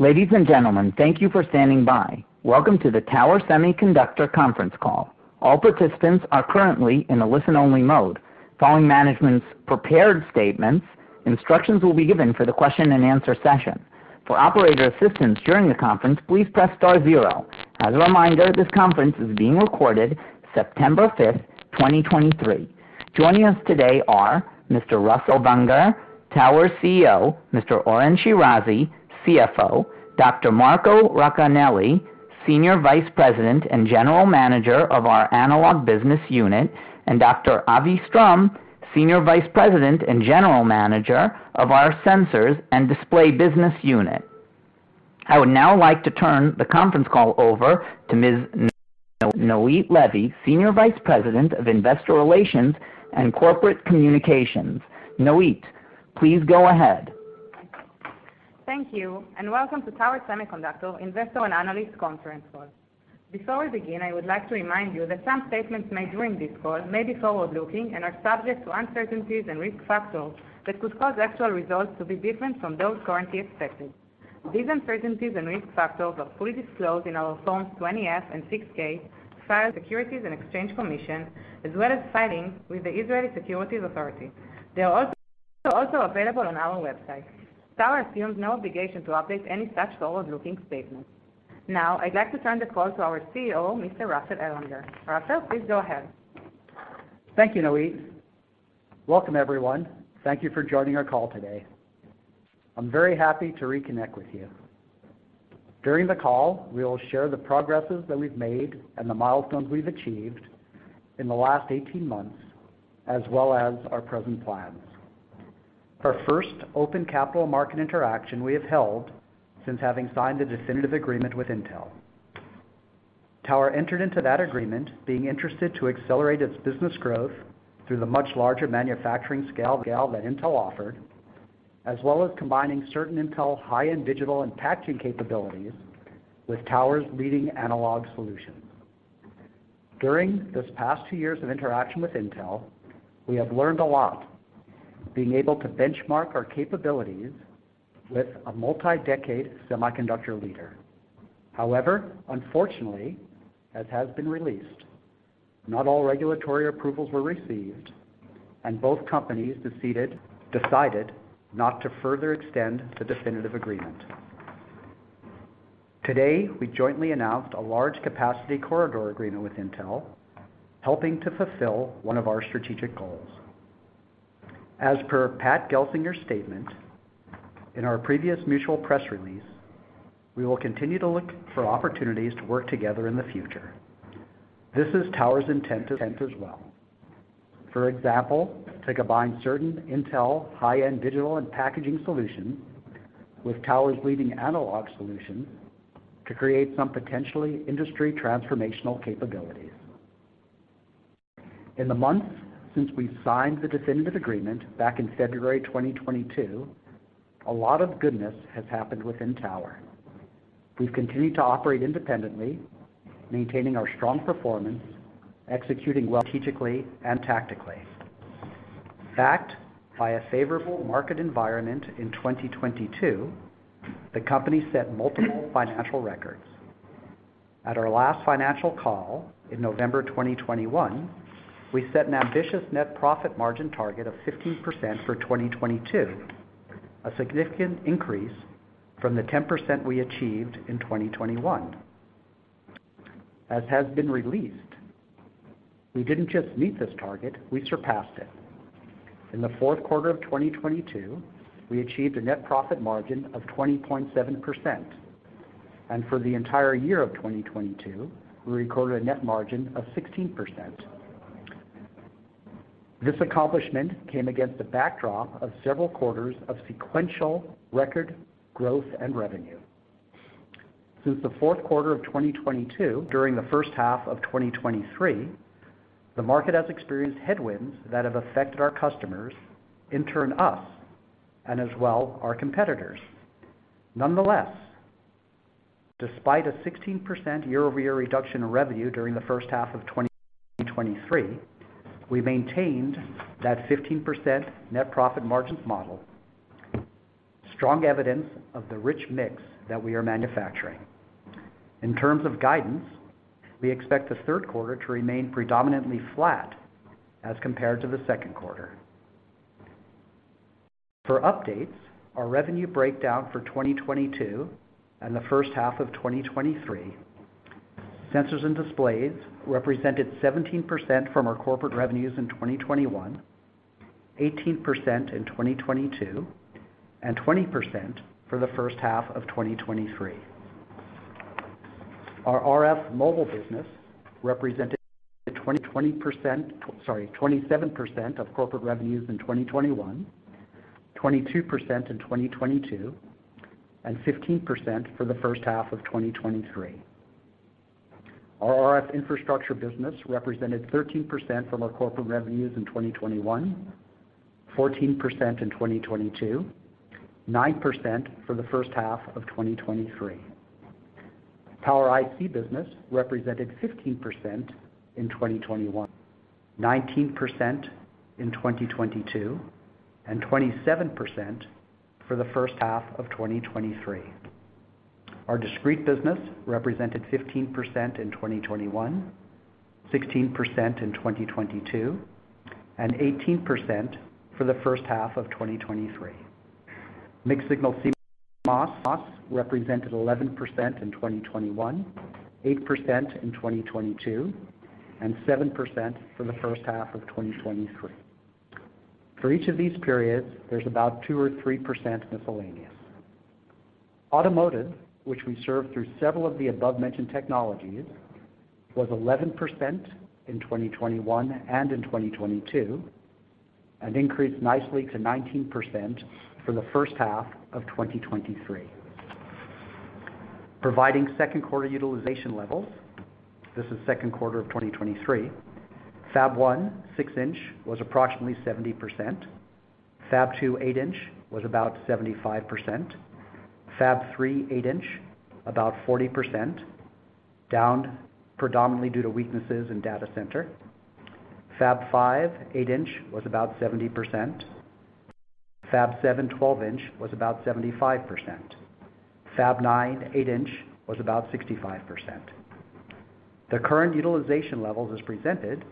Ladies and gentlemen, thank you for standing by. Welcome to the Tower Semiconductor conference call. All participants are currently in a listen-only mode. Following management's prepared statements, instructions will be given for the question and answer session. For operator assistance during the conference, please press star zero. As a reminder, this conference is being recorded September 5, 2023. Joining us today are Mr. Russell Ellwanger, Tower's CEO, Mr. Oren Shirazi, CFO, Dr. Marco Racanelli, Senior Vice President and General Manager of our Analog Business Unit, and Dr. Avi Strum, Senior Vice President and General Manager of our Sensors and Display Business Unit. I would now like to turn the conference call over to Ms. Noit Levy, Senior Vice President of Investor Relations and Corporate Communications. Noit, please go ahead. Thank you, and welcome to Tower Semiconductor Investor and Analyst conference call. Before we begin, I would like to remind you that some statements made during this call may be forward-looking and are subject to uncertainties and risk factors that could cause actual results to be different from those currently expected. These uncertainties and risk factors are fully disclosed in our Form 20-F and 6-K, filed with the Securities and Exchange Commission, as well as filings with the Israeli Securities Authority. They are also available on our website. Tower assumes no obligation to update any such forward-looking statements. Now, I'd like to turn the call to our CEO, Mr. Russell Ellwanger. Russell, please go ahead. Thank you, Noit. Welcome, everyone. Thank you for joining our call today. I'm very happy to reconnect with you. During the call, we will share the progresses that we've made and the milestones we've achieved in the last 18 months, as well as our present plans. Our first open capital market interaction we have held since having signed a definitive agreement with Intel. Tower entered into that agreement, being interested to accelerate its business growth through the much larger manufacturing scale that Intel offered, as well as combining certain Intel high-end digital and packaging capabilities with Tower's leading analog solutions. During this past two years of interaction with Intel, we have learned a lot, being able to benchmark our capabilities with a multi-decade semiconductor leader. However, unfortunately, as has been released, not all regulatory approvals were received, and both companies decided not to further extend the definitive agreement. Today, we jointly announced a large capacity corridor agreement with Intel, helping to fulfill one of our strategic goals. As per Pat Gelsinger's statement in our previous mutual press release, we will continue to look for opportunities to work together in the future. This is Tower's intent as well. For example, to combine certain Intel high-end digital and packaging solutions with Tower's leading analog solutions, to create some potentially industry transformational capabilities. In the months since we signed the definitive agreement back in February 2022, a lot of goodness has happened within Tower. We've continued to operate independently, maintaining our strong performance, executing well strategically and tactically. In fact, by a favorable market environment in 2022, the company set multiple financial records. At our last financial call in November 2021, we set an ambitious net profit margin target of 15% for 2022, a significant increase from the 10% we achieved in 2021. As has been released, we didn't just meet this target, we surpassed it. In the fourth quarter of 2022, we achieved a net profit margin of 20.7%, and for the entire year of 2022, we recorded a net margin of 16%. This accomplishment came against the backdrop of several quarters of sequential record growth and revenue. Since the fourth quarter of 2022, during the first half of 2023, the market has experienced headwinds that have affected our customers, in turn, us, and as well, our competitors. Nonetheless, despite a 16% year-over-year reduction in revenue during the first half of 2023, we maintained that 15% net profit margins model, strong evidence of the rich mix that we are manufacturing. In terms of guidance, we expect the third quarter to remain predominantly flat as compared to the second quarter. For updates, our revenue breakdown for 2022 and the first half of 2023, Sensors and Displays represented 17% from our corporate revenues in 2021, 18% in 2022, and 20% for the first half of 2023. Our RF mobile business represented 20, 20%, sorry, 27% of corporate revenues in 2021, 22% in 2022, and 15% for the first half of 2023. Our RF infrastructure business represented 13% from our corporate revenues in 2021, 14% in 2022, 9% for the first half of 2023. power IC business represented 15% in 2021, 19% in 2022, and 27% for the first half of 2023. Our discrete business represented 15% in 2021, 16% in 2022, and 18% for the first half of 2023. Mixed signal CMOS represented 11% in 2021, 8% in 2022, and 7% for the first half of 2023. For each of these periods, there's about 2 or 3% miscellaneous. Automotive, which we serve through several of the above-mentioned technologies, was 11% in 2021 and in 2022, and increased nicely to 19% for the first half of 2023. Providing second quarter utilization levels, this is second quarter of 2023. Fab 1, six-inch, was approximately 70%. Fab 2, eight-inch, was about 75%. Fab 3, eight-inch, about 40%, down predominantly due to weaknesses in data center. Fab 5, eight-inch, was about 70%. Fab 7, 12-inch, was about 75%. Fab 9, eight-inch, was about 65%. The current utilization levels as presented,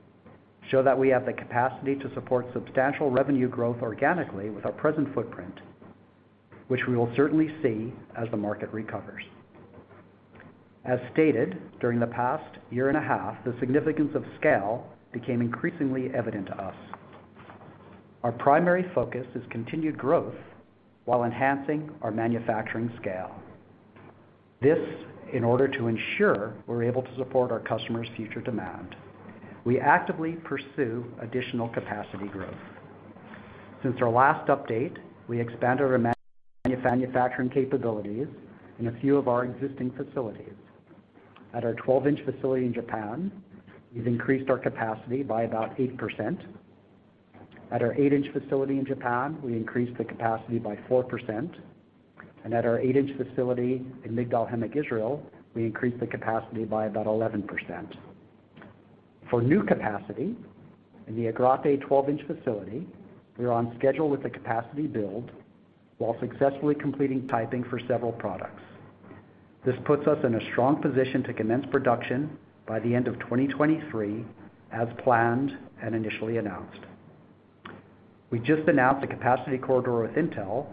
show that we have the capacity to support substantial revenue growth organically with our present footprint, which we will certainly see as the market recovers. As stated, during the past year and a half, the significance of scale became increasingly evident to us. Our primary focus is continued growth while enhancing our manufacturing scale. This, in order to ensure we're able to support our customers' future demand, we actively pursue additional capacity growth. Since our last update, we expanded our manufacturing capabilities in a few of our existing facilities. At our 12-inch facility in Japan, we've increased our capacity by about 8%. At our eight-inch facility in Japan, we increased the capacity by 4%, and at our eight-inch facility in Migdal HaEmek, Israel, we increased the capacity by about 11%. For new capacity, in the Agrate 12-inch facility, we are on schedule with the capacity build, while successfully completing piloting for several products. This puts us in a strong position to commence production by the end of 2023, as planned and initially announced. We just announced a capacity corridor with Intel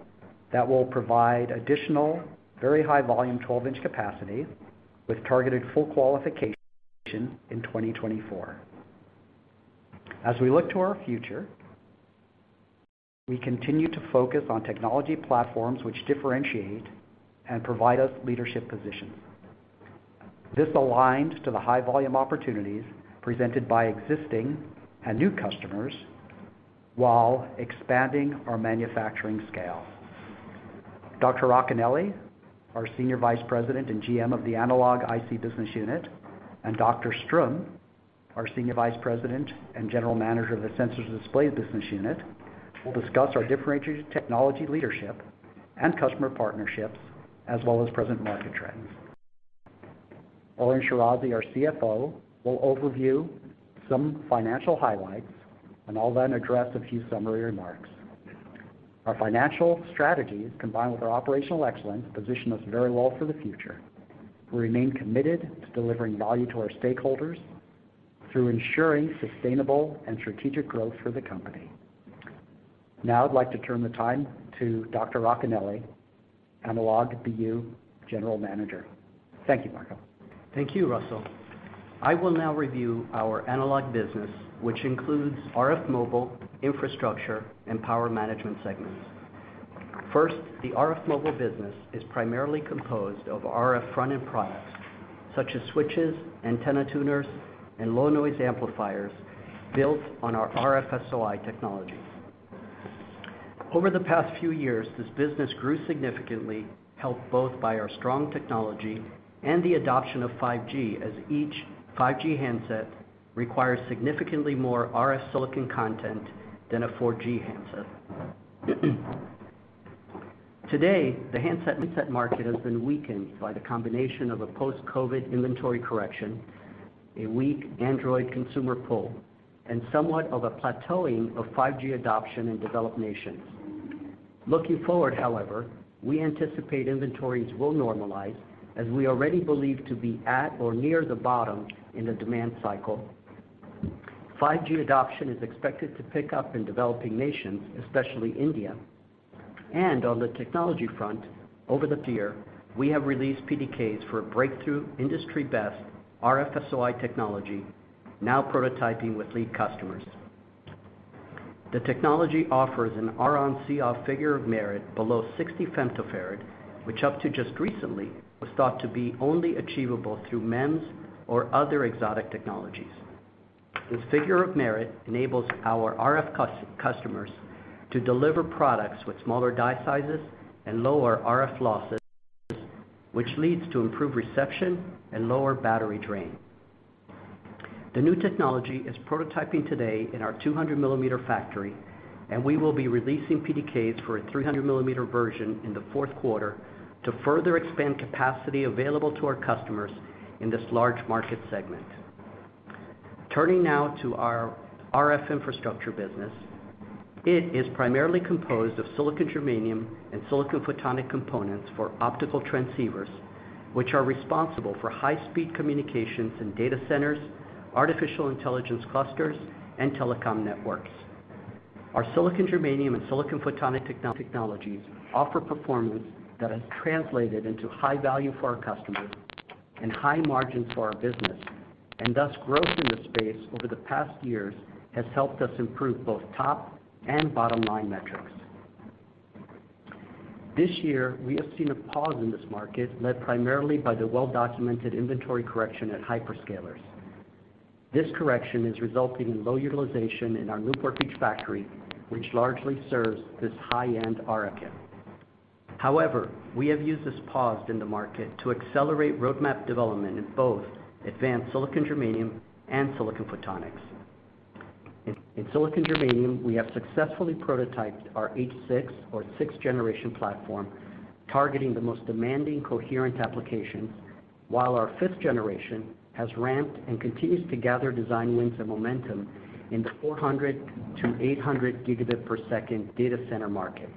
that will provide additional, very high volume 12-inch capacity, with targeted full qualification in 2024. As we look to our future, we continue to focus on technology platforms which differentiate and provide us leadership positions. This aligns to the high volume opportunities presented by existing and new customers, while expanding our manufacturing scale. Dr. Racanelli, our Senior Vice President and GM of the Analog IC business unit, and Dr. Strum, our Senior Vice President and General Manager of the Sensors Display business unit, will discuss our differentiated technology, leadership, and customer partnerships, as well as present market trends. Oren Shirazi, our CFO, will overview some financial highlights, and I'll then address a few summary remarks. Our financial strategies, combined with our operational excellence, position us very well for the future. We remain committed to delivering value to our stakeholders through ensuring sustainable and strategic growth for the company. Now, I'd like to turn the time to Dr. Racanelli, Analog BU General Manager. Thank you, Marco. Thank you, Russell. I will now review our analog business, which includes RF mobile, infrastructure, and power management segments. First, the RF mobile business is primarily composed of RF front-end products, such as switches, antenna tuners, and low-noise amplifiers built on our RF SOI technology. Over the past few years, this business grew significantly, helped both by our strong technology and the adoption of 5G, as each 5G handset requires significantly more RF silicon content than a 4G handset. Today, the handset market has been weakened by the combination of a post-COVID inventory correction, a weak Android consumer pull, and somewhat of a plateauing of 5G adoption in developed nations. Looking forward, however, we anticipate inventories will normalize, as we already believe to be at or near the bottom in the demand cycle. 5G adoption is expected to pick up in developing nations, especially India. And on the technology front, over the year, we have released PDKs for a breakthrough industry-best RF SOI technology, now prototyping with lead customers. The technology offers an Ron-Coff figure of merit below 60 fs, which up to just recently, was thought to be only achievable through MEMS or other exotic technologies. This figure of merit enables our RF customers to deliver products with smaller die sizes and lower RF losses, which leads to improved reception and lower battery drain. The new technology is prototyping today in our 200 mm factory, and we will be releasing PDKs for a 300 mm version in the fourth quarter to further expand capacity available to our customers in this large market segment. Turning now to our RF infrastructure business. It is primarily composed of silicon germanium and silicon photonic components for optical transceivers, which are responsible for high-speed communications in data centers, artificial intelligence clusters, and telecom networks. Our silicon germanium and silicon photonic technologies offer performance that has translated into high value for our customers and high margins for our business, and thus, growth in this space over the past years has helped us improve both top and bottom-line metrics. This year, we have seen a pause in this market, led primarily by the well-documented inventory correction at hyperscalers. This correction is resulting in low utilization in our Newport Beach factory, which largely serves this high-end RFIC. However, we have used this pause in the market to accelerate roadmap development in both advanced silicon germanium and silicon photonics. In silicon germanium, we have successfully prototyped our H6 or sixth-generation platform, targeting the most demanding coherent applications, while our fifth-generation has ramped and continues to gather design wins and momentum in the 400-800 Gbps data center market.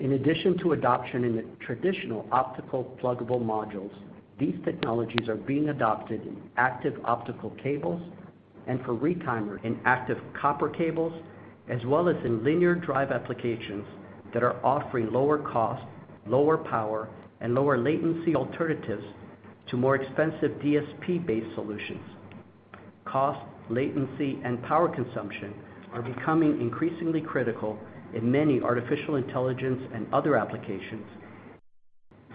In addition to adoption in the traditional optical pluggable modules, these technologies are being adopted in active optical cables and for retimers in active copper cables, as well as in linear drive applications that are offering lower cost, lower power, and lower latency alternatives to more expensive DSP-based solutions. Cost, latency, and power consumption are becoming increasingly critical in many artificial intelligence and other applications,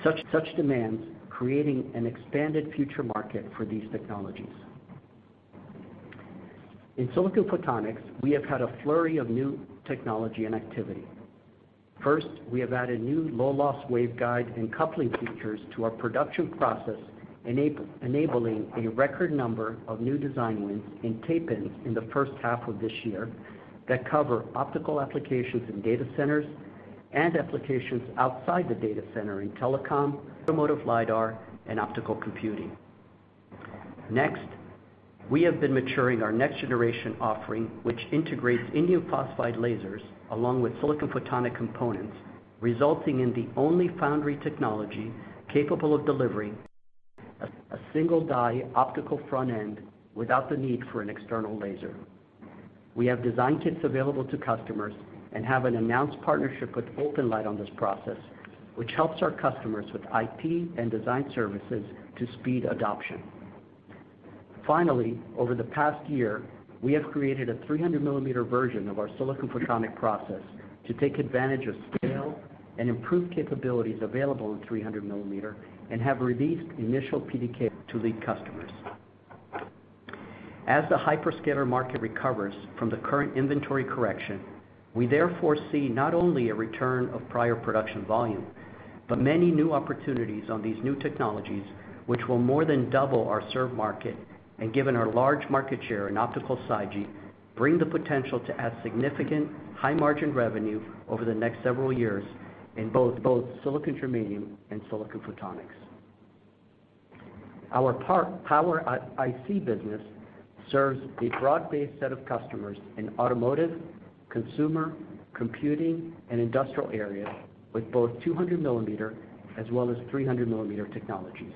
such demands creating an expanded future market for these technologies. In silicon photonics, we have had a flurry of new technology and activity. First, we have added new low-loss waveguide and coupling features to our production process, enabling a record number of new design wins and tape-ins in the first half of this year that cover optical applications in data centers and applications outside the data center in telecom, automotive LiDAR, and optical computing. Next, we have been maturing our next-generation offering, which integrates indium phosphide lasers along with silicon photonic components, resulting in the only foundry technology capable of delivering a single die optical front end without the need for an external laser. We have design kits available to customers and have an announced partnership with OpenLight on this process, which helps our customers with IP and design services to speed adoption. Finally, over the past year, we have created a 300-mm version of our silicon photonic process to take advantage of scale and improved capabilities available in 300-mm and have released initial PDK to lead customers. As the hyperscaler market recovers from the current inventory correction, we therefore see not only a return of prior production volume, but many new opportunities on these new technologies, which will more than double our served market, and given our large market share in optical SiGe, bring the potential to add significant high-margin revenue over the next several years in both silicon germanium and silicon photonics. Our power IC business serves a broad-based set of customers in automotive, consumer, computing, and industrial areas with both 200-mm as well as 300-mm technologies.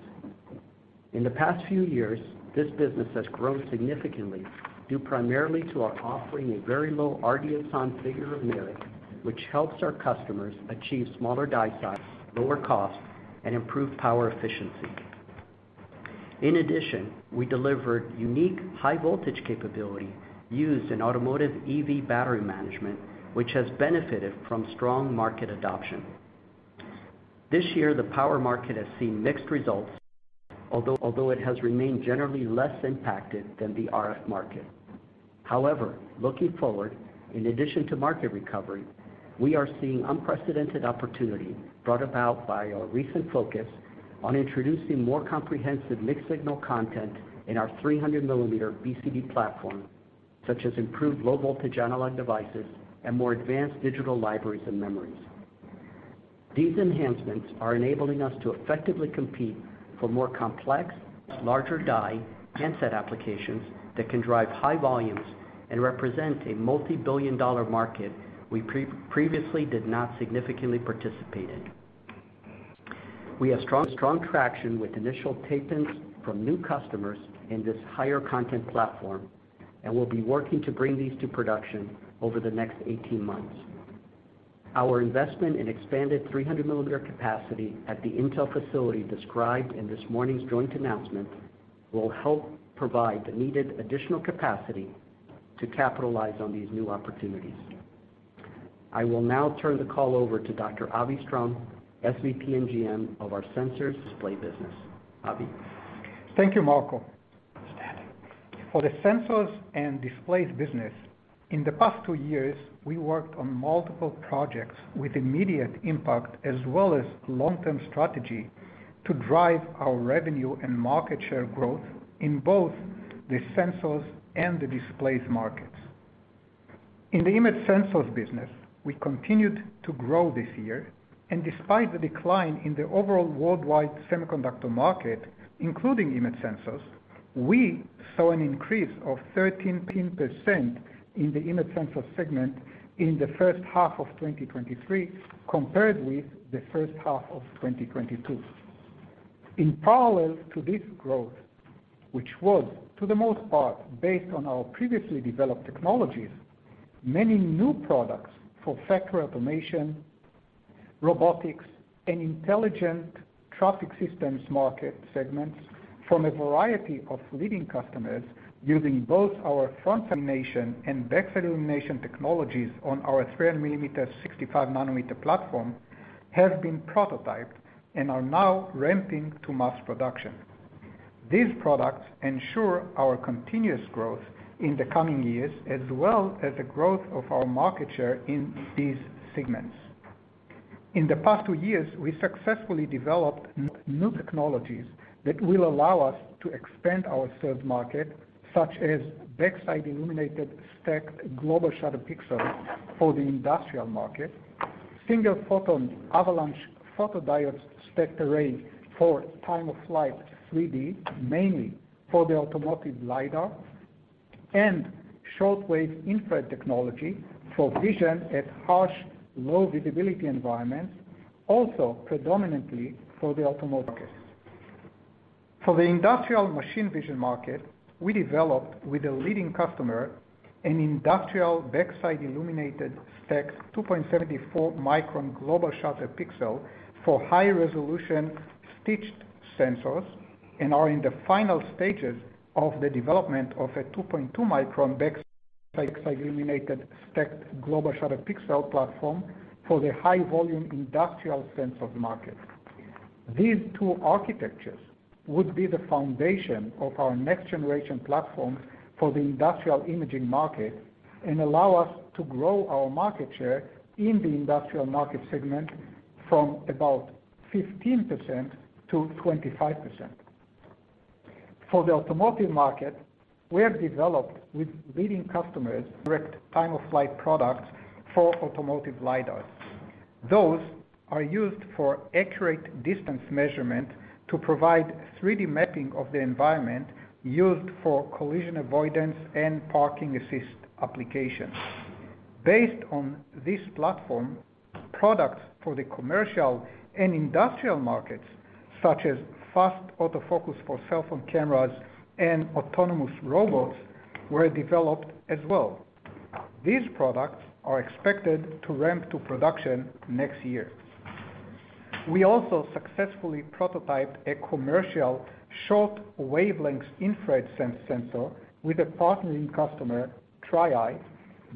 In the past few years, this business has grown significantly due primarily to our offering a very low RDS(on) figure of merit, which helps our customers achieve smaller die size, lower costs, and improved power efficiency. In addition, we delivered unique high voltage capability used in automotive EV battery management, which has benefited from strong market adoption. This year, the power market has seen mixed results, although it has remained generally less impacted than the RF market. However, looking forward, in addition to market recovery, we are seeing unprecedented opportunity brought about by our recent focus on introducing more comprehensive mixed-signal content in our 300mm BCD platform, such as improved low-voltage analog devices and more advanced digital libraries and memories. These enhancements are enabling us to effectively compete for more complex, larger die handset applications that can drive high volumes and represent a multibillion-dollar market we previously did not significantly participate in. We have strong, strong traction with initial tape-ins from new customers in this higher content platform, and we'll be working to bring these to production over the next 18 months. Our investment in expanded 300 mm capacity at the Intel facility described in this morning's joint announcement, will help provide the needed additional capacity to capitalize on these new opportunities. I will now turn the call over to Dr. Avi Strum, SVP and GM of our Sensors & Displays business. Avi? Thank you, Marco. Standing. For the sensors and displays business, in the past two years, we worked on multiple projects with immediate impact, as well as long-term strategy to drive our revenue and market share growth in both the sensors and the displays markets. In the image sensors business, we continued to grow this year, and despite the decline in the overall worldwide semiconductor market, including image sensors, we saw an increase of 13% in the image sensor segment in the first half of 2023, compared with the first half of 2022. In parallel to this growth, which was, for the most part, based on our previously developed technologies, many new products for factory automation, robotics, and intelligent traffic systems market segments from a variety of leading customers, using both our front illumination and back illumination technologies on our 300 mm to 65-nm platform, have been prototyped and are now ramping to mass production. These products ensure our continuous growth in the coming years, as well as the growth of our market share in these segments. In the past two years, we successfully developed new technologies that will allow us to expand our served market, such as backside illuminated stacked global shutter pixels for the industrial market, single photon avalanche photodiodes stacked array for time-of-flight 3D, mainly for the automotive LiDAR, and short wave infrared technology for vision at harsh, low visibility environments, also predominantly for the automotive market. For the industrial machine vision market, we developed with a leading customer, an industrial backside illuminated stacked 2.74-micron global shutter pixel for high resolution stitched sensors, and are in the final stages of the development of a 2.2-micron back illuminated stacked global shutter pixel platform for the high volume industrial sensor market. These two architectures would be the foundation of our next generation platform for the industrial imaging market and allow us to grow our market share in the industrial market segment from about 15%-25%. For the automotive market, we have developed with leading customers, direct time-of-flight products for automotive LiDAR. Those are used for accurate distance measurement to provide 3D mapping of the environment used for collision avoidance and parking assist applications. Based on this platform, products for the commercial and industrial markets, such as fast autofocus for cell phone cameras and autonomous robots, were developed as well. These products are expected to ramp to production next year. We also successfully prototyped a commercial short wavelength infrared sensor with a partnering customer, TriEye,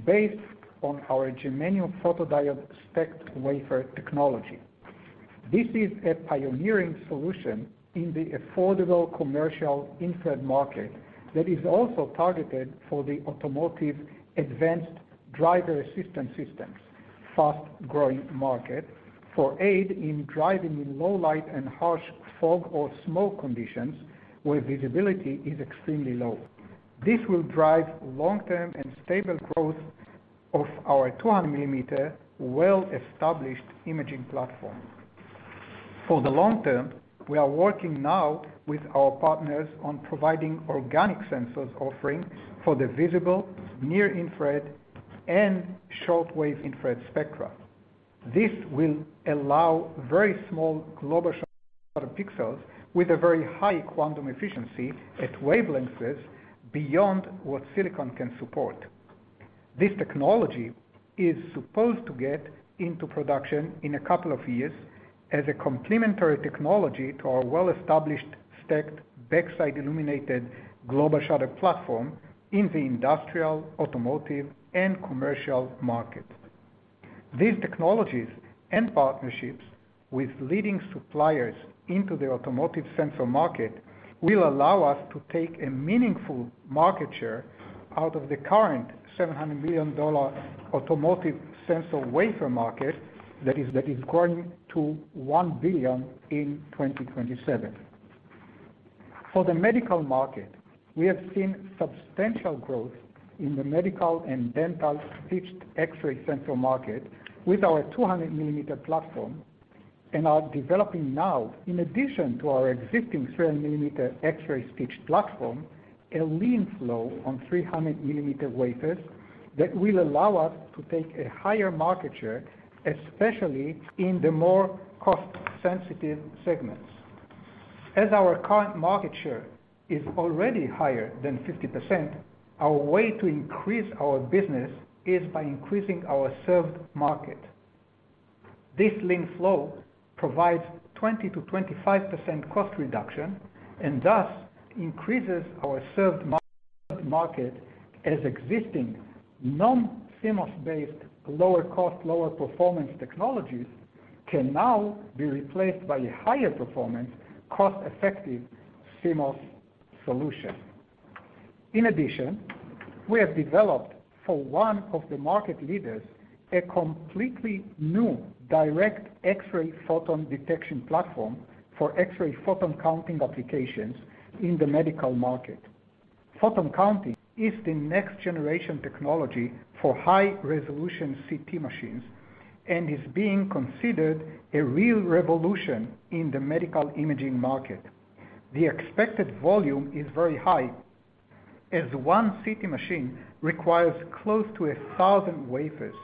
based on our germanium photodiode stacked wafer technology. This is a pioneering solution in the affordable commercial infrared market that is also targeted for the automotive advanced driver assistance systems, fast-growing market, for aid in driving in low light and harsh fog or smoke conditions, where visibility is extremely low. This will drive long-term and stable growth of our 200 mm well-established imaging platform. For the long term, we are working now with our partners on providing organic sensors offering for the visible, near infrared, and short wave infrared spectra. This will allow very small global shutter pixels with a very high quantum efficiency at wavelengths beyond what silicon can support. This technology is supposed to get into production in a couple of years as a complementary technology to our well-established stacked backside illuminated global shutter platform in the industrial, automotive, and commercial market. These technologies and partnerships with leading suppliers into the automotive sensor market will allow us to take a meaningful market share out of the current $700 million automotive sensor wafer market that is growing to $1 billion in 2027. For the medical market, we have seen substantial growth in the medical and dental stitched X-ray sensor market with our 200 mm platform, and are developing now, in addition to our existing three-mm X-ray stitch platform, a lean flow on 300 mm wafers that will allow us to take a higher market share, especially in the more cost-sensitive segments. As our current market share is already higher than 50%, our way to increase our business is by increasing our served market. This lean flow provides 20%-25% cost reduction and thus increases our served market as existing non-CMOS-based, lower cost, lower performance technologies can now be replaced by a higher performance, cost-effective CMOS solution. In addition, we have developed for one of the market leaders, a completely new direct X-ray photon counting platform for X-ray photon counting applications in the medical market. Photon counting is the next generation technology for high resolution CT machines, and is being considered a real revolution in the medical imaging market. The expected volume is very high, as one CT machine requires close to 1,000 wafers.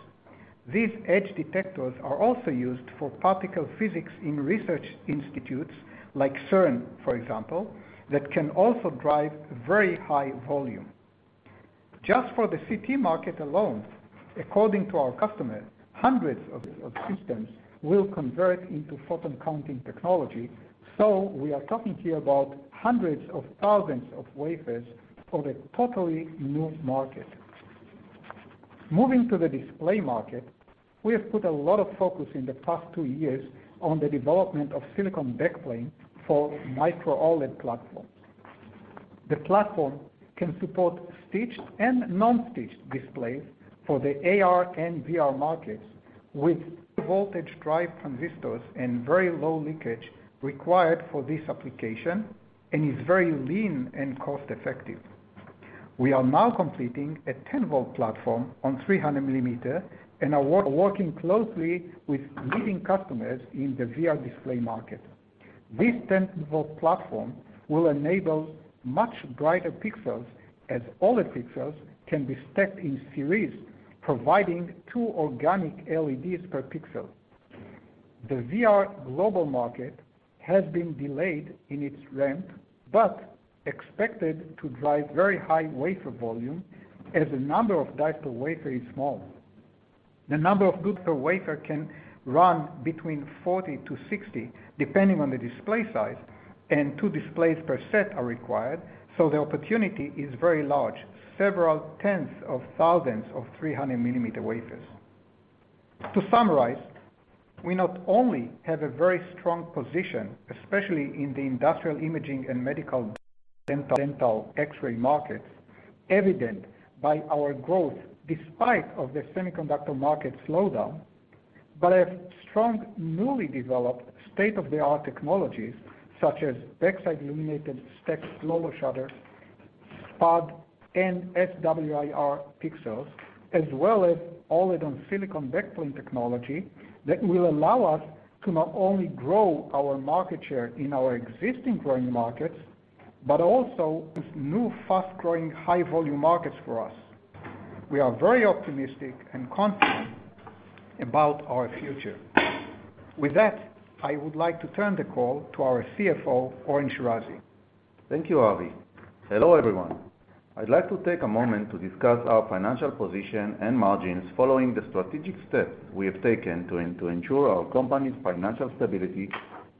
These edge detectors are also used for particle physics in research institutes like CERN, for example, that can also drive very high volume. Just for the CT market alone, according to our customer, hundreds of systems will convert into photon counting technology, so we are talking here about hundreds of thousands of wafers for a totally new market. Moving to the display market, we have put a lot of focus in the past two years on the development of silicon backplane for micro-OLED platform. The platform can support stitched and non-stitched displays for the AR and VR markets, with voltage drive transistors and very low leakage required for this application, and is very lean and cost-effective. We are now completing a 10-volt platform on 300mm, and are working closely with leading customers in the VR display market. This 10-volt platform will enable much brighter pixels, as all the pixels can be stacked in series, providing two organic LEDs per pixel. The VR global market has been delayed in its ramp, but expected to drive very high wafer volume as the number of dies per wafer is small. The number of dies per wafer can run between 40-60, depending on the display size, and two displays per set are required, so the opportunity is very large, several tens of thousands of 300mm wafers. To summarize, we not only have a very strong position, especially in the industrial imaging and medical, dental X-ray markets, evident by our growth despite the semiconductor market slowdown, but have strong, newly developed state-of-the-art technologies such as backside illuminated stacked global shutter, SPAD and SWIR pixels, as well as OLED on silicon backplane technology, that will allow us to not only grow our market share in our existing growing markets, but also new, fast-growing, high volume markets for us. We are very optimistic and confident about our future. With that, I would like to turn the call to our CFO, Oren Shirazi. Thank you, Avi. Hello, everyone. I'd like to take a moment to discuss our financial position and margins following the strategic steps we have taken to ensure our company's financial stability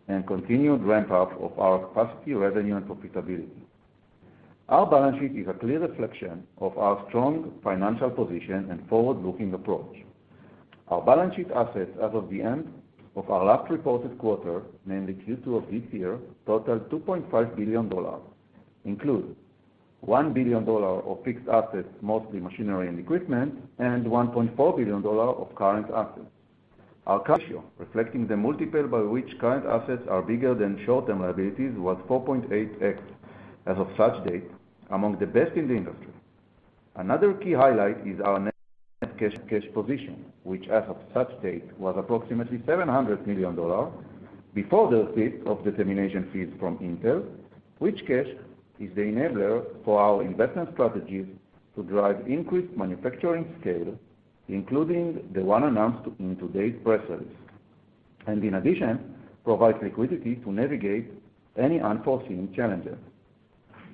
and continued ramp up of our capacity, revenue and profitability. Our balance sheet is a clear reflection of our strong financial position and forward-looking approach. Our balance sheet assets as of the end of our last reported quarter, namely Q2 of this year, totaled $2.5 billion, including $1 billion of fixed assets, mostly machinery and equipment, and $1.4 billion of current assets. Our current ratio, reflecting the multiple by which current assets are bigger than short-term liabilities, was 4.8x as of such date, among the best in the industry. Another key highlight is our net cash, cash position, which as of such date, was approximately $700 million before the receipt of the termination fees from Intel, which cash is the enabler for our investment strategies to drive increased manufacturing scale, including the one announced in today's press release, and in addition, provides liquidity to navigate any unforeseen challenges.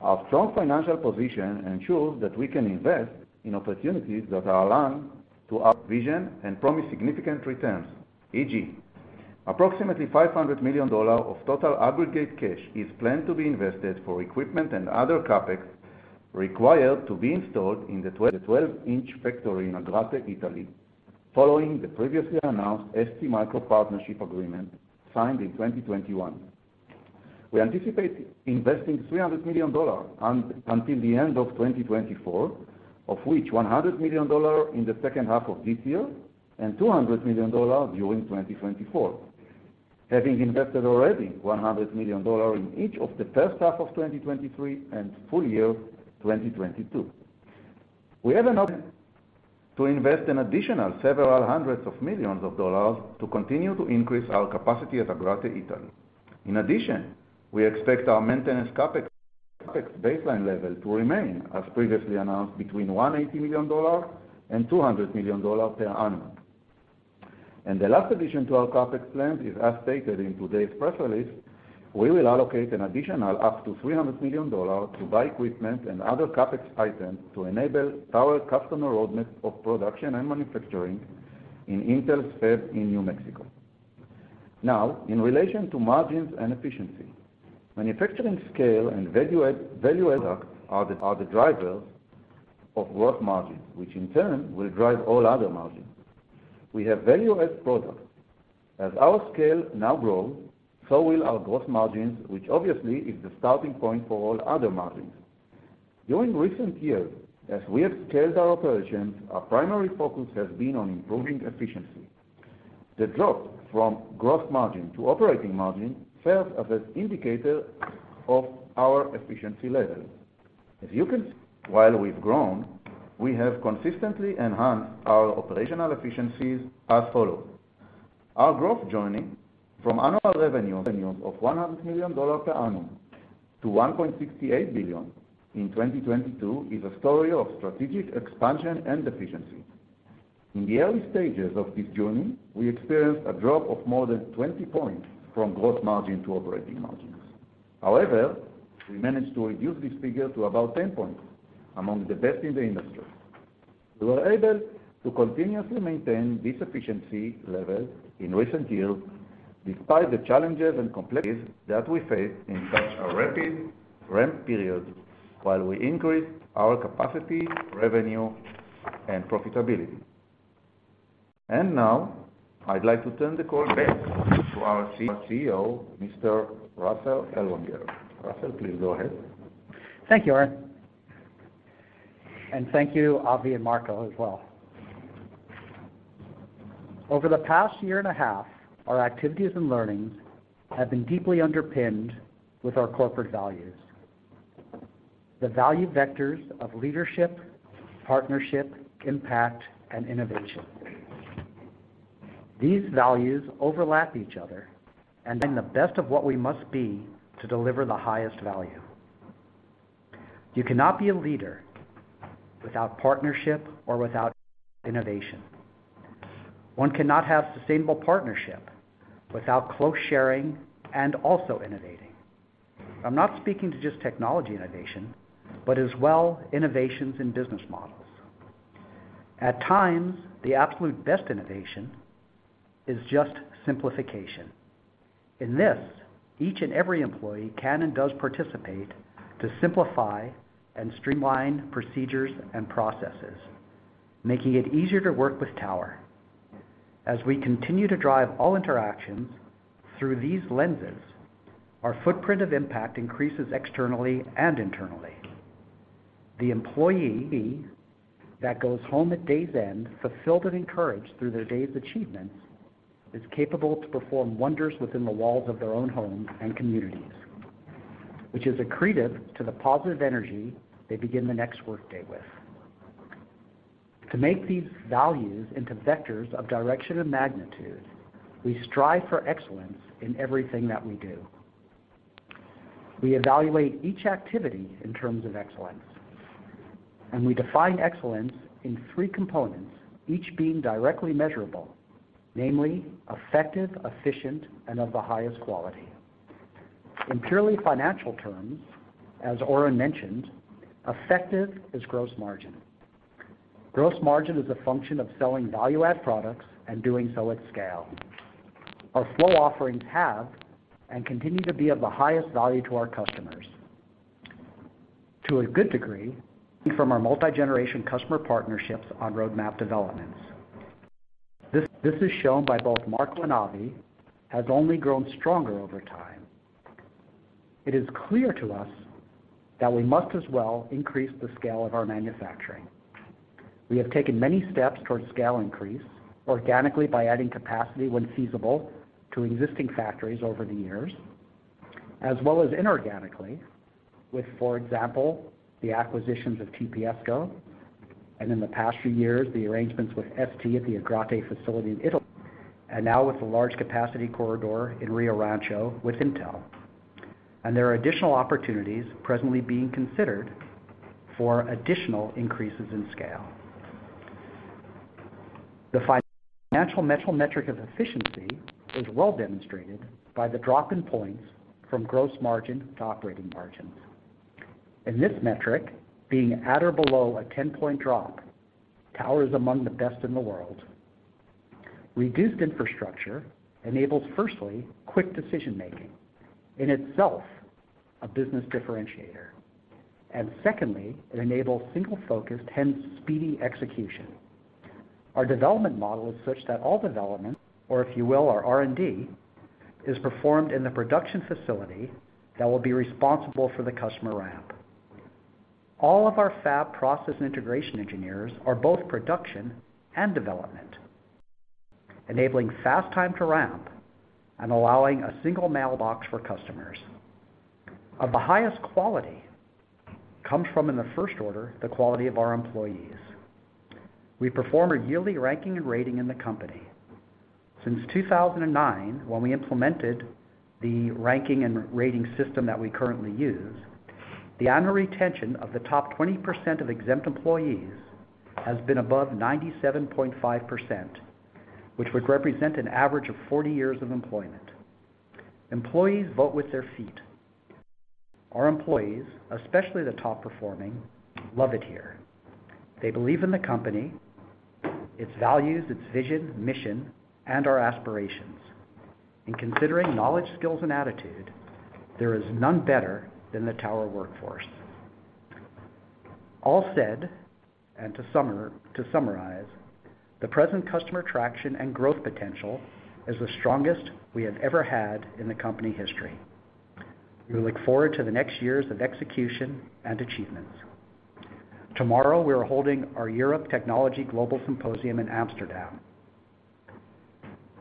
Our strong financial position ensures that we can invest in opportunities that are aligned to our vision and promise significant returns. e.g., approximately $500 million of total aggregate cash is planned to be invested for equipment and other CapEx required to be installed in the 12, 12-inch factory in Agrate, Italy, following the previously announced STMicro partnership agreement signed in 2021. We anticipate investing $300 million until the end of 2024, of which $100 million in the second half of this year and $200 million during 2024, having invested already $100 million in each of the first half of 2023 and full year 2022. We have an option to invest an additional several hundreds of millions of dollars to continue to increase our capacity at Agrate, Italy. In addition, we expect our maintenance CapEx, CapEx baseline level to remain, as previously announced, between $180 million and $200 million per annum. The last addition to our CapEx plan is, as stated in today's press release, we will allocate an additional up to $300 million to buy equipment and other CapEx items to enable our customer roadmap of production and manufacturing in Intel's fab in New Mexico. Now, in relation to margins and efficiency, manufacturing scale and value-add products are the drivers of gross margins, which in turn will drive all other margins. We have value-add products. As our scale now grows, so will our gross margins, which obviously is the starting point for all other margins. During recent years, as we have scaled our operations, our primary focus has been on improving efficiency. The drop from gross margin to operating margin serves as an indicator of our efficiency level. As you can see, while we've grown, we have consistently enhanced our operational efficiencies as follows. Our growth journey from annual revenue of $100 million per annum to $1.68 billion in 2022, is a story of strategic expansion and efficiency. In the early stages of this journey, we experienced a drop of more than 20 points from gross margin to operating margins. However, we managed to reduce this figure to about 10 points, among the best in the industry. We were able to continuously maintain this efficiency level in recent years, despite the challenges and complexities that we faced in such a rapid ramp period, while we increased our capacity, revenue, and profitability. Now, I'd like to turn the call back to our CEO, Mr. Russell Ellwanger. Russell, please go ahead. Thank you, Oren. And thank you, Avi and Marco, as well. Over the past year and a half, our activities and learnings have been deeply underpinned with our corporate values. The value vectors of leadership, partnership, impact, and innovation. These values overlap each other and bring the best of what we must be to deliver the highest value. You cannot be a leader without partnership or without innovation. One cannot have sustainable partnership without close sharing and also innovating. I'm not speaking to just technology innovation, but as well, innovations in business models. At times, the absolute best innovation is just simplification. In this, each and every employee can and does participate to simplify and streamline procedures and processes, making it easier to work with Tower. As we continue to drive all interactions through these lenses, our footprint of impact increases externally and internally. The employee that goes home at day's end, fulfilled and encouraged through their day's achievements, is capable to perform wonders within the walls of their own homes and communities, which is accretive to the positive energy they begin the next workday with. To make these values into vectors of direction and magnitude, we strive for excellence in everything that we do. We evaluate each activity in terms of excellence, and we define excellence in three components, each being directly measurable, namely, effective, efficient, and of the highest quality. In purely financial terms, as Oren mentioned, effective is gross margin. Gross margin is a function of selling value-add products and doing so at scale. Our flow offerings have and continue to be of the highest value to our customers. To a good degree, from our multi-generation customer partnerships on roadmap developments. This, this is shown by both Marco and Avi, has only grown stronger over time. It is clear to us that we must as well increase the scale of our manufacturing. We have taken many steps towards scale increase, organically by adding capacity when feasible to existing factories over the years, as well as inorganically with, for example, the acquisitions of TPSCo, and in the past few years, the arrangements with ST at the Agrate facility in Italy, and now with a large capacity corridor in Rio Rancho, with Intel. And there are additional opportunities presently being considered for additional increases in scale. The financial metric of efficiency is well demonstrated by the drop in points from gross margin to operating margin. In this metric, being at or below a 10-point drop, Tower is among the best in the world. Reduced infrastructure enables, firstly, quick decision-making, in itself, a business differentiator. And secondly, it enables single focus, hence, speedy execution. Our development model is such that all development, or if you will, our R&D, is performed in the production facility that will be responsible for the customer ramp. All of our fab process and integration engineers are both production and development, enabling fast time to ramp and allowing a single mailbox for customers. Of the highest quality, comes from, in the first order, the quality of our employees. We perform a yearly ranking and rating in the company. Since 2009, when we implemented the ranking and rating system that we currently use, the annual retention of the top 20% of exempt employees has been above 97.5%, which would represent an average of 40 years of employment. Employees vote with their feet. Our employees, especially the top performing, love it here. They believe in the company, its values, its vision, mission, and our aspirations. In considering knowledge, skills, and attitude, there is none better than the Tower workforce. All said, and to summarize, the present customer traction and growth potential is the strongest we have ever had in the company history. We look forward to the next years of execution and achievements. Tomorrow, we are holding our Europe Technology Global Symposium in Amsterdam.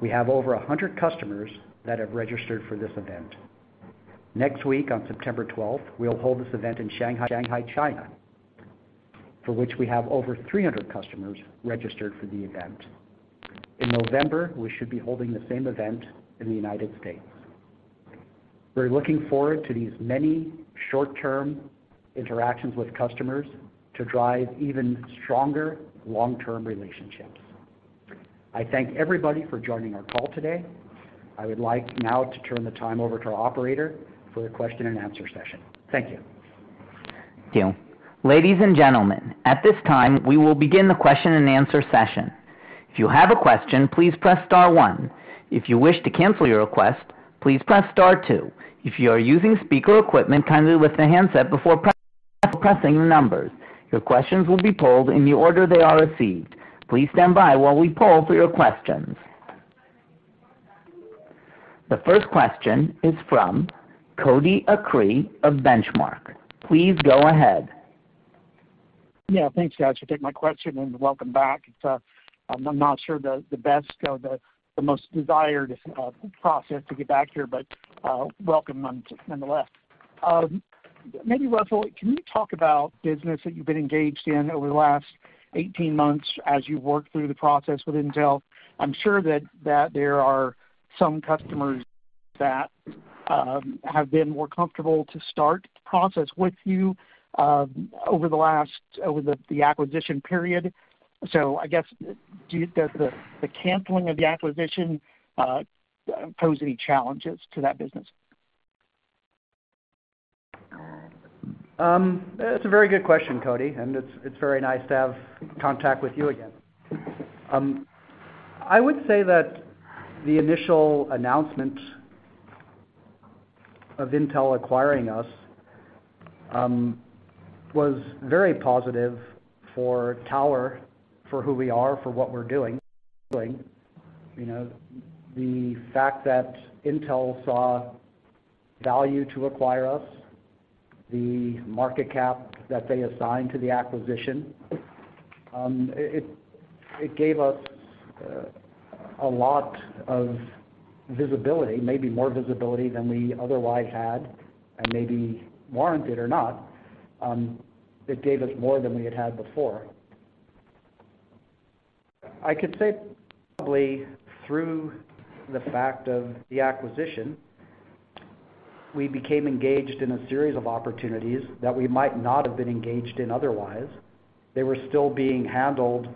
We have over 100 customers that have registered for this event. Next week, on September twelfth, we'll hold this event in Shanghai, Shanghai, China, for which we have over 300 customers registered for the event. In November, we should be holding the same event in the United States. We're looking forward to these many short-term interactions with customers to drive even stronger long-term relationships. I thank everybody for joining our call today. I would like now to turn the time over to our operator for the question and answer session. Thank you. Thank you. Ladies and gentlemen, at this time, we will begin the question and answer session. If you have a question, please press star one. If you wish to cancel your request, please press star two. If you are using speaker equipment, kindly lift the handset before pressing the numbers. Your questions will be polled in the order they are received. Please stand by while we poll for your questions. The first question is from Cody Acree of Benchmark. Please go ahead. Yeah, thanks, guys, for taking my question, and welcome back. It's. I'm not sure the best or the most desired process to get back here, but welcome nonetheless. Maybe, Russell, can you talk about business that you've been engaged in over the last 18 months as you worked through the process with Intel? I'm sure that there are some customers that have been more comfortable to start the process with you over the acquisition period. So I guess, do you, does the canceling of the acquisition pose any challenges to that business? That's a very good question, Cody, and it's, it's very nice to have contact with you again. I would say that the initial announcement of Intel acquiring us was very positive for Tower, for who we are, for what we're doing. You know, the fact that Intel saw value to acquire us, the market cap that they assigned to the acquisition, it, it gave us a lot of visibility, maybe more visibility than we otherwise had, and maybe warranted or not. It gave us more than we had had before. I could say, probably through the fact of the acquisition, we became engaged in a series of opportunities that we might not have been engaged in otherwise. They were still being handled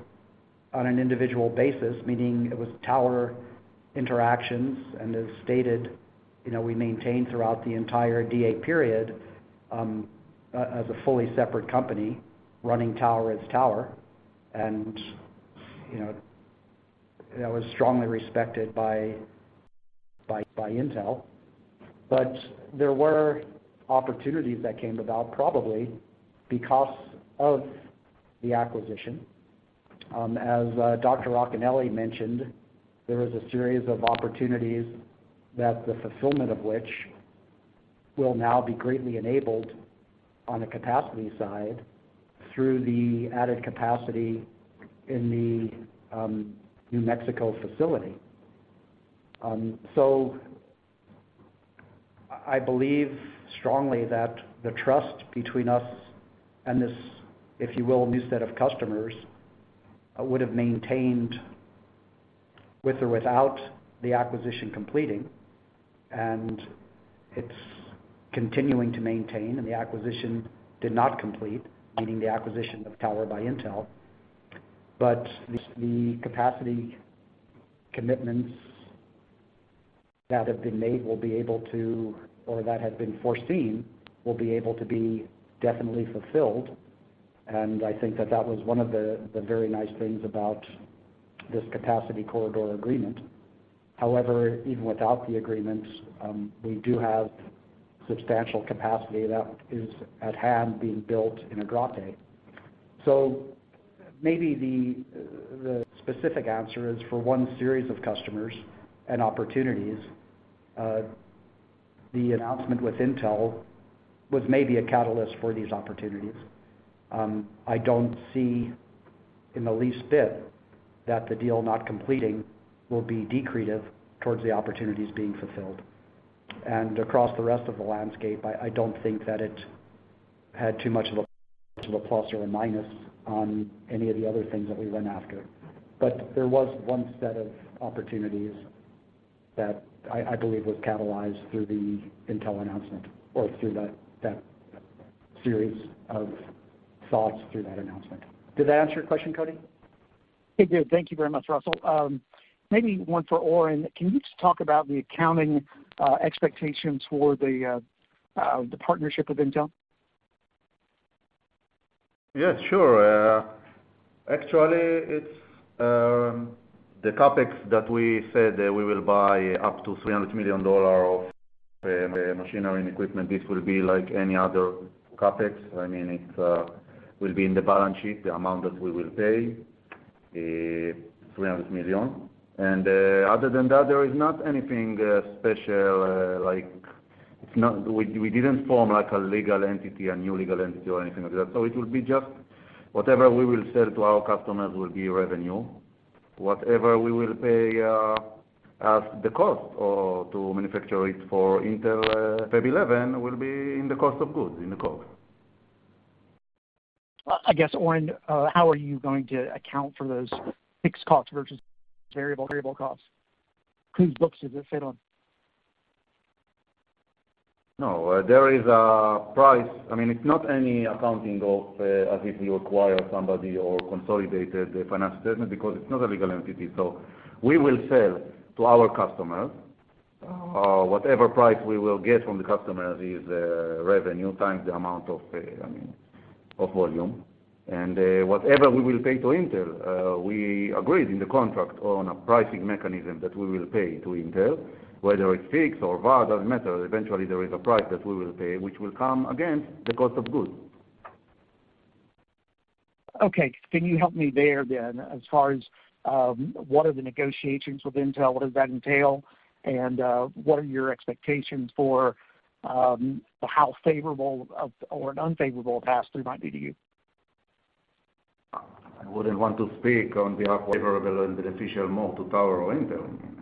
on an individual basis, meaning it was Tower interactions, and as stated, you know, we maintained throughout the entire DA period, as a fully separate company, running Tower as Tower. And, you know, that was strongly respected by Intel. But there were opportunities that came about probably because of the acquisition. As Dr. Racanelli mentioned, there was a series of opportunities that the fulfillment of which will now be greatly enabled on the capacity side through the added capacity in the New Mexico facility. So I believe strongly that the trust between us and this, if you will, new set of customers, would have maintained with or without the acquisition completing, and it's continuing to maintain, and the acquisition did not complete, meaning the acquisition of Tower by Intel. But the capacity commitments that have been made will be able to, or that have been foreseen, will be able to be definitely fulfilled, and I think that that was one of the very nice things about this capacity corridor agreement. However, even without the agreements, we do have substantial capacity that is at hand, being built in Agrate. So maybe the specific answer is for one series of customers and opportunities, the announcement with Intel was maybe a catalyst for these opportunities. I don't see in the least bit that the deal not completing will be decretive towards the opportunities being fulfilled. And across the rest of the landscape, I don't think that it had too much of a plus or a minus on any of the other things that we went after. But there was one set of opportunities that I, I believe, was catalyzed through the Intel announcement or through that, that series of thoughts through that announcement. Did that answer your question, Cody? It did. Thank you very much, Russell. Maybe one for Oren. Can you just talk about the accounting expectations for the partnership with Intel? Yes, sure. Actually, it's the CapEx that we said that we will buy up to $300 million of machinery and equipment. This will be like any other CapEx. I mean, it's will be in the balance sheet, the amount that we will pay $300 million. And other than that, there is not anything special, like, it's not-- we, we didn't form like a legal entity, a new legal entity or anything like that. So it will be just whatever we will sell to our customers will be revenue. Whatever we will pay as the cost or to manufacture it for Intel, Fab 11, will be in the cost of goods, in the COG. I guess, Oren, how are you going to account for those fixed costs versus variable, variable costs? Whose books does it fit on? No, there is a price. I mean, it's not any accounting of, as if you acquire somebody or consolidated the financial statement because it's not a legal entity. So we will sell to our customer. Whatever price we will get from the customers is, revenue times the amount of, pay, I mean, of volume. And, whatever we will pay to Intel, we agreed in the contract on a pricing mechanism that we will pay to Intel, whether it's fixed or var, doesn't matter. Eventually, there is a price that we will pay, which will come, again, the cost of goods. Okay. Can you help me there then, as far as what are the negotiations with Intel? What does that entail? And what are your expectations for how favorable of, or unfavorable pass-through might be to you? I wouldn't want to speak on behalf of favorable and beneficial more to Tower or Intel. I mean,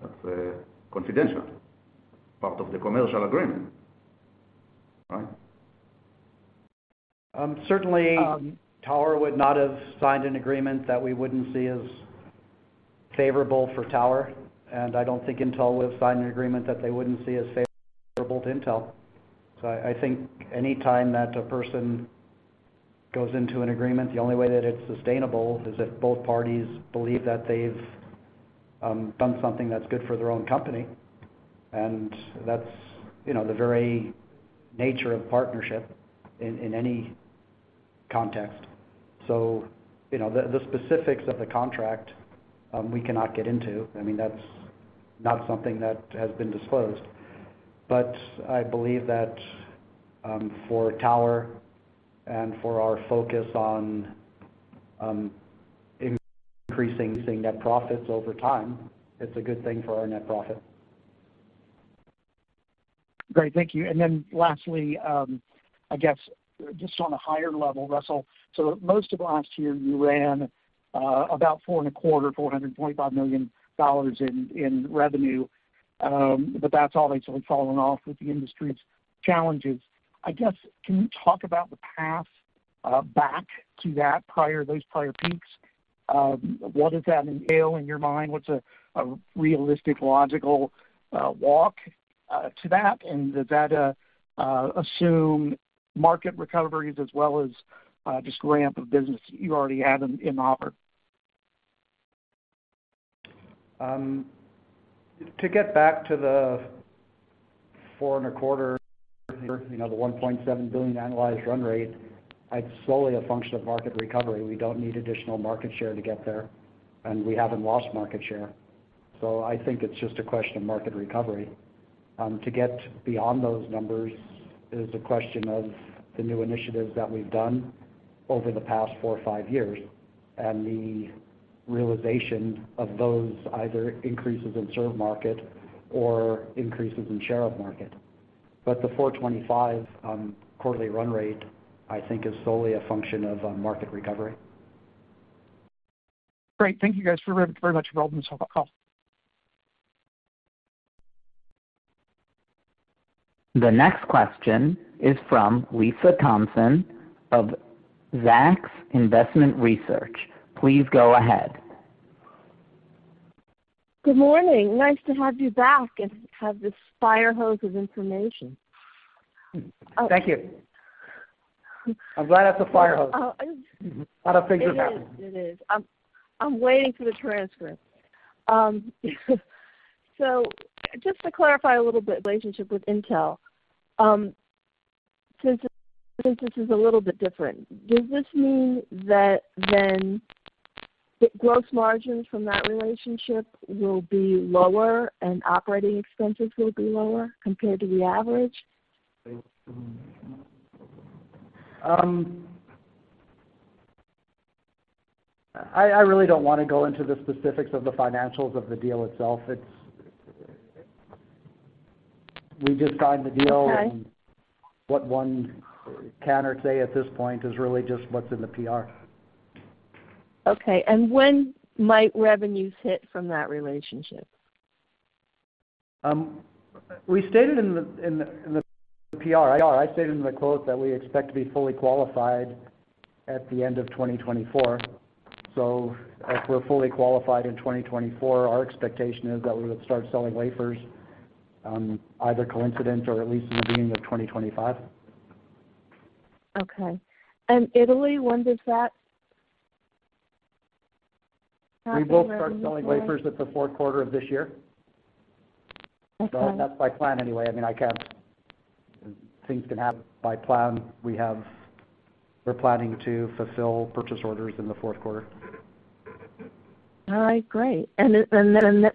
that's confidential, part of the commercial agreement, right? Certainly, Tower would not have signed an agreement that we wouldn't see as favorable for Tower, and I don't think Intel would have signed an agreement that they wouldn't see as favorable to Intel. So I think any time that a person goes into an agreement, the only way that it's sustainable is if both parties believe that they've done something that's good for their own company, and that's, you know, the very nature of partnership in any context. So, you know, the specifics of the contract, we cannot get into. I mean, that's not something that has been disclosed. But I believe that, for Tower and for our focus on increasing net profits over time, it's a good thing for our net profit. Great. Thank you. And then lastly, I guess just on a higher level, Russell, so most of last year, you ran about $425 million in revenue, but that's obviously fallen off with the industry's challenges. I guess, can you talk about the path back to that prior, those prior peaks? What does that entail in your mind? What's a realistic, logical walk to that? And does that assume market recoveries as well as just ramp of business you already have in offer? To get back to the $4.25 billion, you know, the $1.7 billion annualized run rate, it's solely a function of market recovery. We don't need additional market share to get there, and we haven't lost market share. So I think it's just a question of market recovery. To get beyond those numbers is a question of the new initiatives that we've done over the past four or five years, and the realization of those either increases in served market or increases in share of market. But the $425 million quarterly run rate, I think, is solely a function of market recovery. Great. Thank you, guys, very, very much for holding this call. The next question is from Lisa Thompson of Zacks Investment Research. Please go ahead. Good morning. Nice to have you back and have this fire hose of information. Thank you. I'm glad that's a fire hose. Oh, it- Lot of things happen. It is. I'm waiting for the transcript. So just to clarify a little bit, relationship with Intel, since this is a little bit different, does this mean that then the gross margins from that relationship will be lower and operating expenses will be lower compared to the average? I really don't want to go into the specifics of the financials of the deal itself. It's. We just signed the deal. Okay. What one can or say at this point is really just what's in the PR. Okay. And when might revenues hit from that relationship? We stated in the PR, I stated in the quote that we expect to be fully qualified at the end of 2024. So if we're fully qualified in 2024, our expectation is that we would start selling wafers, either coincident or at least in the beginning of 2025. Okay. And Italy, when does that? We both start selling wafers at the fourth quarter of this year. Okay. Well, that's my plan anyway. I mean, I can't-- things can happen. By plan, we have-- we're planning to fulfill purchase orders in the fourth quarter. All right, great. And then, is that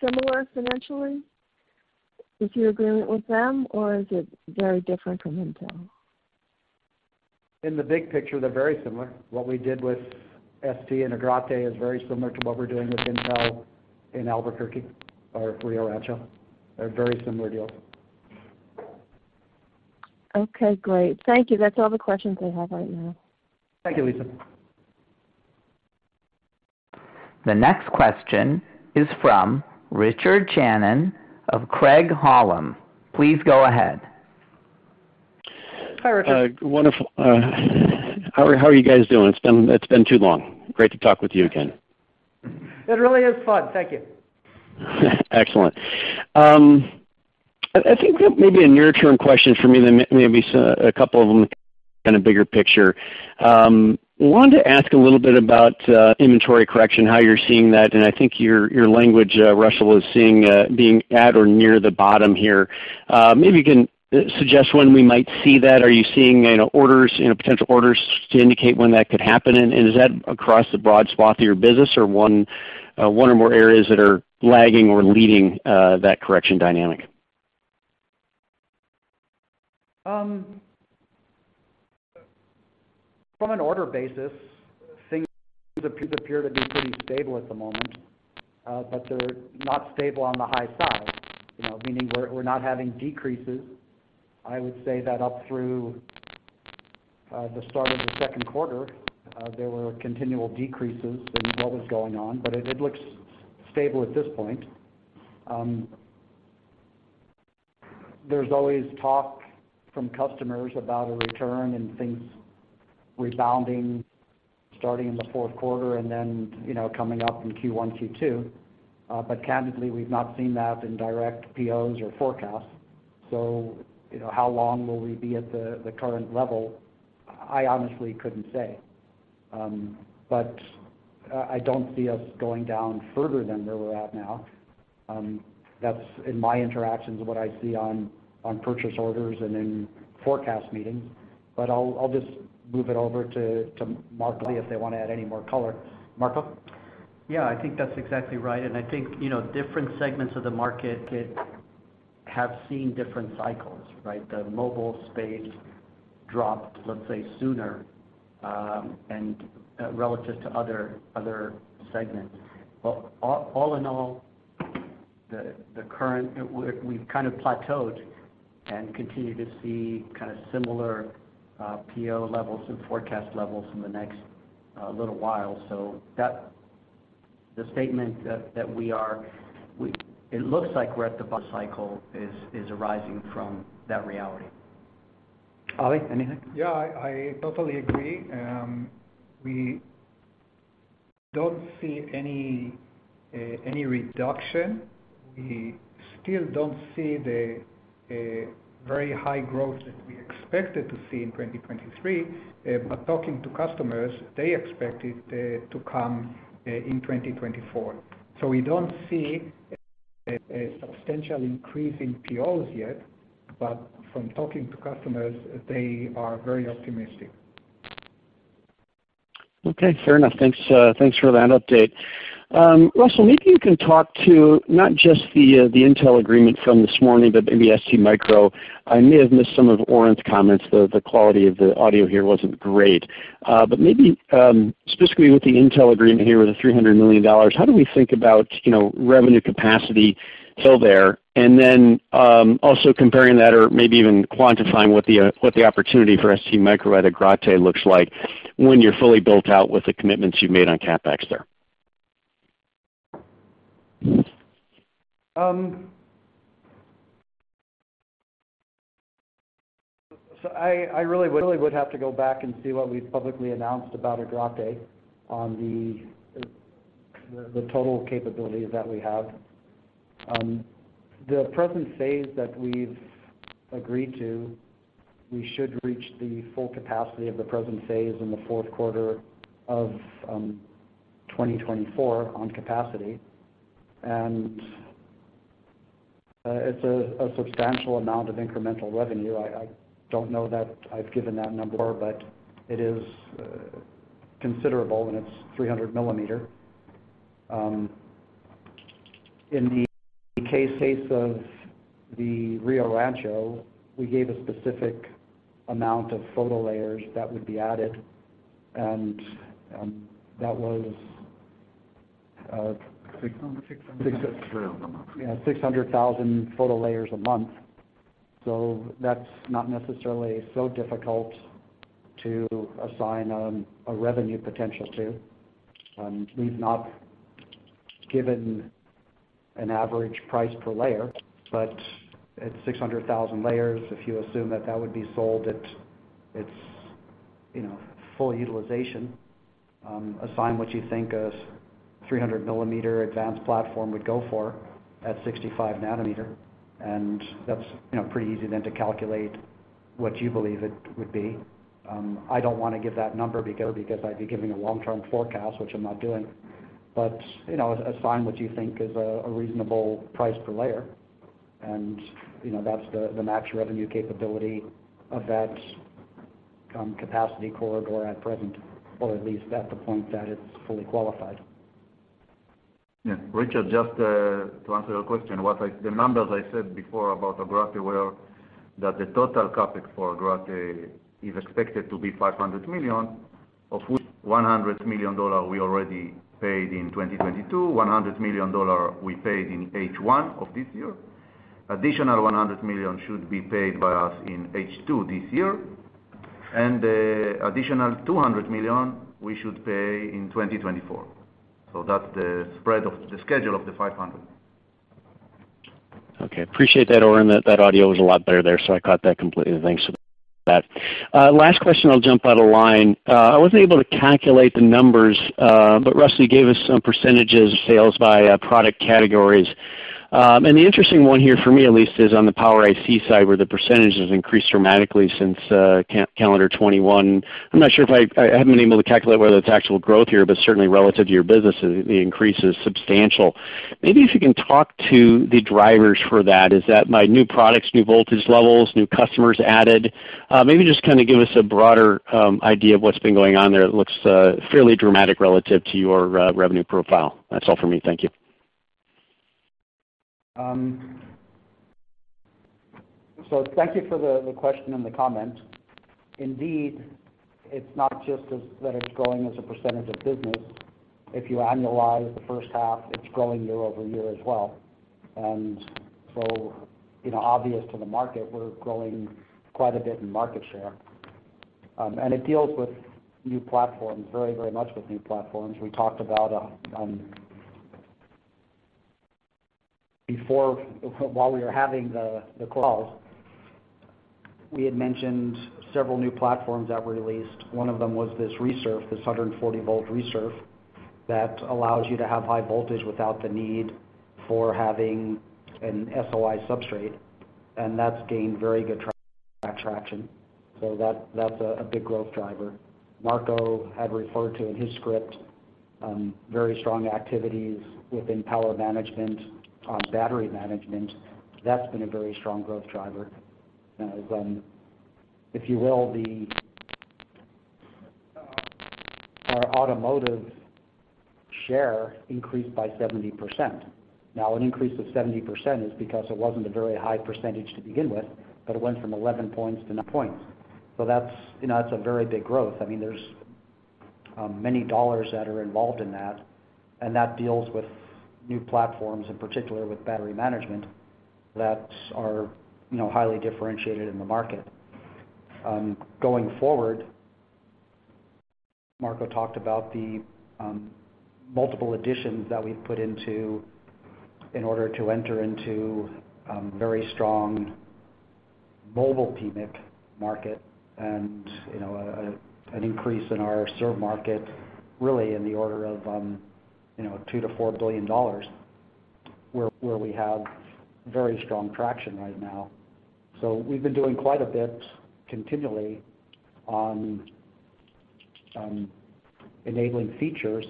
similar financially with your agreement with them, or is it very different from Intel? In the big picture, they're very similar. What we did with ST and Agrate is very similar to what we're doing with Intel in Albuquerque or Rio Rancho. They're very similar deals. Okay, great. Thank you. That's all the questions I have right now. Thank you, Lisa. The next question is from Richard Shannon of Craig-Hallum. Please go ahead. Hi, Richard. Wonderful. How are you guys doing? It's been too long. Great to talk with you again. It really is fun. Thank you. Excellent. I think maybe a near-term question for me, then maybe a couple of them in a bigger picture. Wanted to ask a little bit about inventory correction, how you're seeing that, and I think your language, Russell, is seeing being at or near the bottom here. Maybe you can suggest when we might see that. Are you seeing, you know, orders, you know, potential orders to indicate when that could happen? And is that across the broad swath of your business or one or more areas that are lagging or leading that correction dynamic? From an order basis, things appear to be pretty stable at the moment, but they're not stable on the high side. You know, meaning we're not having decreases. I would say that up through the start of the second quarter, there were continual decreases in what was going on, but it looks stable at this point. There's always talk from customers about a return and things rebounding, starting in the fourth quarter and then, you know, coming up in Q1, Q2. But candidly, we've not seen that in direct POs or forecasts. So, you know, how long will we be at the current level? I honestly couldn't say. But I don't see us going down further than where we're at now. That's in my interactions, what I see on purchase orders and in forecast meetings, but I'll just move it over to Marco, if they want to add any more color. Marco? Yeah, I think that's exactly right. And I think, you know, different segments of the market have seen different cycles, right? The mobile space dropped, let's say, sooner, and relative to other, other segments. But all, all in all, the current, we've kind of plateaued and continue to see kind of similar PO levels and forecast levels in the next little while. So the statement that we are, it looks like we're at the bottom cycle is arising from that reality. Avi, anything? Yeah, I totally agree. We don't see any reduction. We still don't see the very high growth that we expected to see in 2023. But talking to customers, they expect it to come in 2024. So we don't see a substantial increase in POs yet, but from talking to customers, they are very optimistic. Okay, fair enough. Thanks, thanks for that update. Russell, maybe you can talk to, not just the, the Intel agreement from this morning, but maybe STMicro. I may have missed some of Oren's comments. The quality of the audio here wasn't great. But maybe, specifically with the Intel agreement here, with the $300 million, how do we think about, you know, revenue capacity till there? And then, also comparing that or maybe even quantifying what the, what the opportunity for STMicro at Agrate looks like when you're fully built out with the commitments you've made on CapEx there? So I really would have to go back and see what we've publicly announced about Agrate on the total capabilities that we have. The present phase that we've agreed to, we should reach the full capacity of the present phase in the fourth quarter of 2024 on capacity. And it's a substantial amount of incremental revenue. I don't know that I've given that number, but it is considerable, and it's 300 mm. In the case of the Rio Rancho, we gave a specific amount of photo layers that would be added, and that was. 600. Yeah, 600,000 photo layers a month. So that's not necessarily so difficult to assign a revenue potential to. We've not given an average price per layer, but at 600,000 layers, if you assume that that would be sold at its, you know, full utilization, assign what you think a 300-mm advanced platform would go for at 65-nm, and that's, you know, pretty easy then to calculate what you believe it would be. I don't want to give that number because, because I'd be giving a long-term forecast, which I'm not doing. But, you know, assign what you think is a reasonable price per layer, and, you know, that's the max revenue capability of that capacity corridor at present, or at least at the point that it's fully qualified. Yeah, Richard, just to answer your question, what I—the numbers I said before about Agrate were that the total CapEx for Agrate is expected to be $500 million, of which $100 million we already paid in 2022, $100 million we paid in H1 of this year. Additional $100 million should be paid by us in H2 this year, and additional $200 million we should pay in 2024. So that's the spread of the schedule of the 500. Okay, appreciate that, Oren. That, that audio was a lot better there, so I caught that completely. Thanks for that. Last question, I'll jump out of line. I wasn't able to calculate the numbers, but Russell, you gave us some percentages, sales by product categories. And the interesting one here, for me at least, is on the power IC side, where the percentage has increased dramatically since calendar 2021. I haven't been able to calculate whether it's actual growth here, but certainly relative to your business, the increase is substantial. Maybe if you can talk to the drivers for that. Is that by new products, new voltage levels, new customers added? Maybe just kind of give us a broader idea of what's been going on there. It looks fairly dramatic relative to your revenue profile. That's all for me. Thank you. So thank you for the question and the comment. Indeed, it's not just that it's growing as a percentage of business. If you annualize the first half, it's growing year over year as well. And so, you know, obvious to the market, we're growing quite a bit in market share. And it deals with new platforms, very, very much with new platforms. We talked about, before, while we were having the call, we had mentioned several new platforms that were released. One of them was this RESURF, this 140-volt RESURF, that allows you to have high voltage without the need for having an SOI substrate, and that's gained very good traction. So that, that's a big growth driver. Marco had referred to, in his script, very strong activities within power management, on battery management. That's been a very strong growth driver. If you will, our automotive share increased by 70%. Now, an increase of 70% is because it wasn't a very high percentage to begin with, but it went from 11 points to 9 points. So that's, you know, a very big growth. I mean, there's many dollars that are involved in that, and that deals with new platforms, in particular, with battery management, that are, you know, highly differentiated in the market. Going forward, Marco talked about the multiple additions that we've put into in order to enter into very strong mobile PMIC market and, you know, an increase in our server market, really in the order of, you know, $2 billion-$4 billion, where we have very strong traction right now. So we've been doing quite a bit continually on enabling features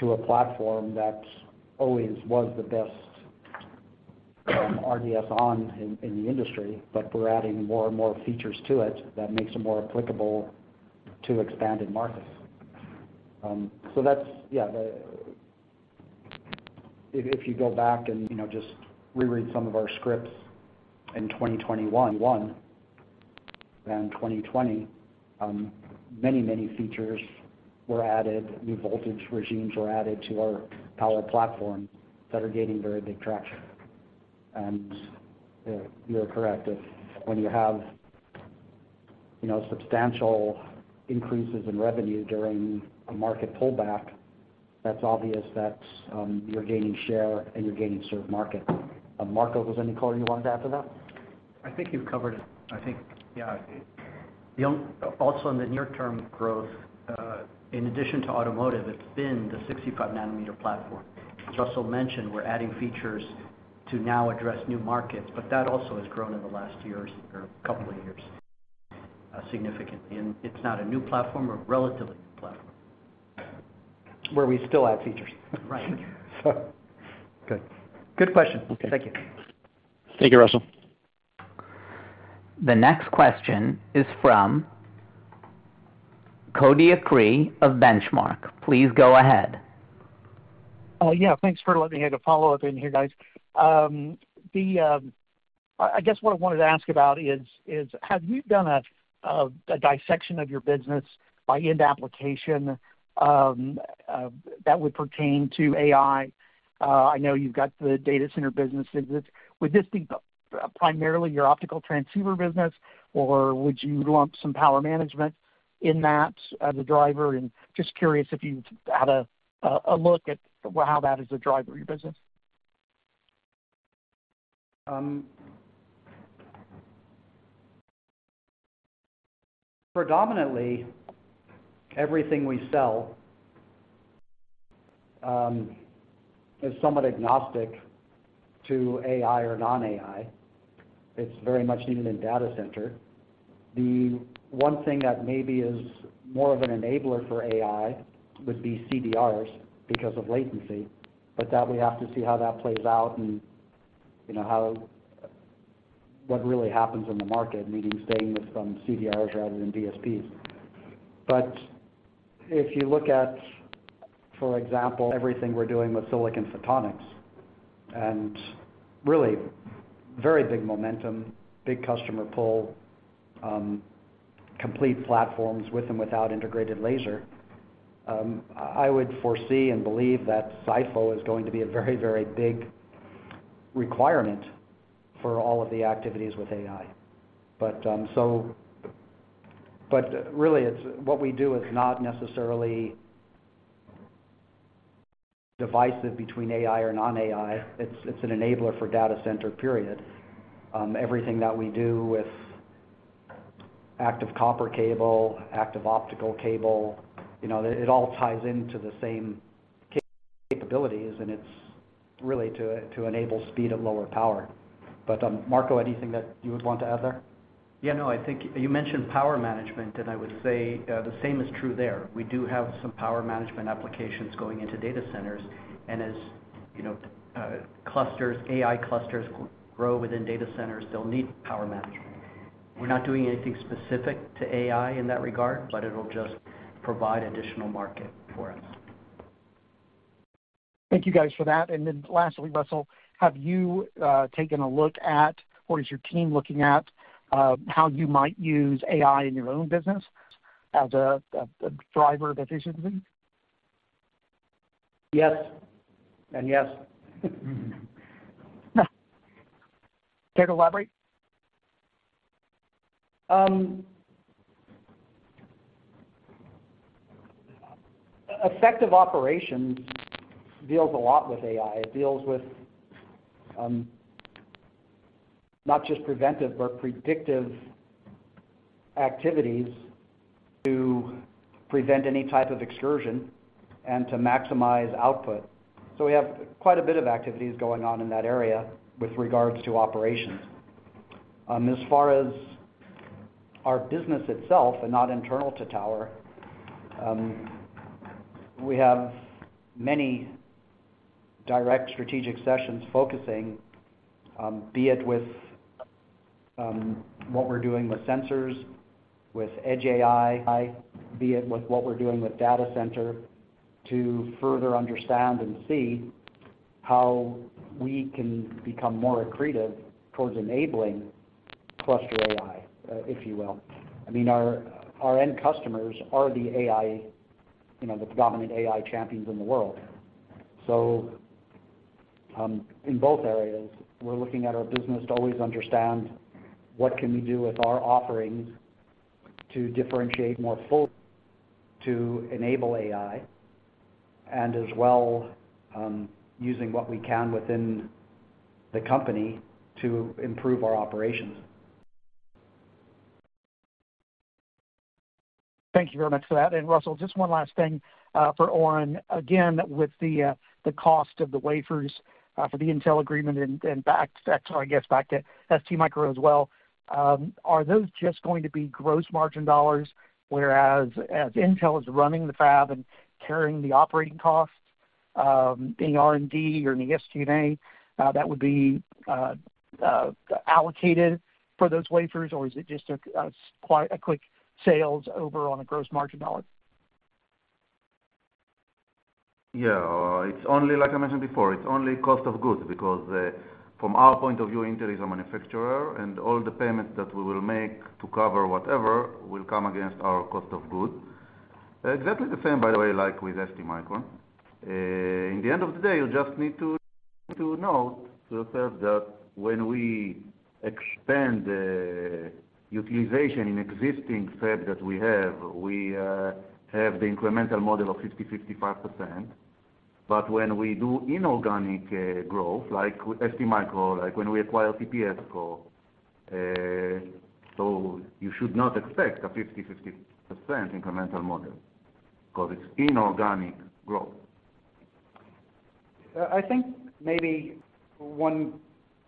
to a platform that always was the best RDS(on) in the industry, but we're adding more and more features to it that makes it more applicable to expanded markets. So that's, yeah. If you go back and, you know, just reread some of our scripts in 2021 and 2020, many, many features were added, new voltage regimes were added to our power platform that are gaining very big traction. And you're correct, if, when you have, you know, substantial increases in revenue during a market pullback, that's obvious that you're gaining share and you're gaining served market. Marco, was there any color you wanted to add to that? I think you've covered it. I think, yeah. The one also in the near-term growth, in addition to automotive, it's been the 65 nm platform. As Russell mentioned, we're adding features to now address new markets, but that also has grown in the last year or couple of years, significantly. It's not a new platform, a relatively new platform. Where we still add features. Right. Good. Good question. Okay. Thank you. Thank you, Russell. The next question is from Cody Acree of Benchmark. Please go ahead. Yeah, thanks for letting me get a follow-up in here, guys. I guess what I wanted to ask about is, have you done a dissection of your business by end application that would pertain to AI? I know you've got the data center business. Would this be primarily your optical transceiver business, or would you lump some power management in that, the driver? And just curious if you've had a look at how that is a driver of your business. Predominantly, everything we sell is somewhat agnostic to AI or non-AI. It's very much needed in data center. The one thing that maybe is more of an enabler for AI would be CDRs because of latency, but that we have to see how that plays out and, you know, how-- what really happens in the market, meaning staying with some CDRs rather than DSPs. But if you look at, for example, everything we're doing with silicon photonics, and really very big momentum, big customer pull, complete platforms with and without integrated laser, I would foresee and believe that SiPho is going to be a very, very big requirement for all of the activities with AI. But, so-- but really, it's, what we do is not necessarily divisive between AI or non-AI, it's, it's an enabler for data center, period. Everything that we do with active copper cable, active optical cable, you know, it all ties into the same capabilities, and it's really to enable speed at lower power. But, Marco, anything that you would want to add there? Yeah, no, I think you mentioned power management, and I would say the same is true there. We do have some power management applications going into data centers, and as you know, clusters, AI clusters grow within data centers, they'll need power management. We're not doing anything specific to AI in that regard, but it'll just provide additional market for us. Thank you guys for that. And then lastly, Russell, have you taken a look at, or is your team looking at, how you might use AI in your own business as a driver of efficiency? Yes and yes. Care to elaborate? Effective operations deals a lot with AI. It deals with, not just preventive, but predictive activities to prevent any type of excursion and to maximize output. So we have quite a bit of activities going on in that area with regards to operations. As far as our business itself, and not internal to Tower, we have many direct strategic sessions focusing, be it with, what we're doing with sensors, with edge AI, be it with what we're doing with data center, to further understand and see how we can become more accretive towards enabling cluster AI, if you will. I mean, our, our end customers are the AI, you know, the dominant AI champions in the world. In both areas, we're looking at our business to always understand what can we do with our offerings to differentiate more fully, to enable AI, and as well, using what we can within the company to improve our operations. Thank you very much for that. And Russell, just one last thing for Oren. Again, with the cost of the wafers for the Intel agreement and back to, I guess, back to STMicro as well, are those just going to be gross margin dollars? Whereas as Intel is running the fab and carrying the operating costs, the R&D or the SG&A that would be allocated for those wafers, or is it just a quite a quick sales over on a gross margin dollar? Yeah, it's only like I mentioned before, it's only cost of goods because from our point of view, Intel is a manufacturer, and all the payments that we will make to cover whatever will come against our cost of goods. Exactly the same, by the way, like with STMicro. In the end of the day, you just need to note to yourself that when we expand utilization in existing fab that we have, we have the incremental model of 50%-55%. But when we do inorganic growth, like with STMicro, like when we acquire TPSCo, so you should not expect a 50/50 percent incremental model because it's inorganic growth. I think maybe one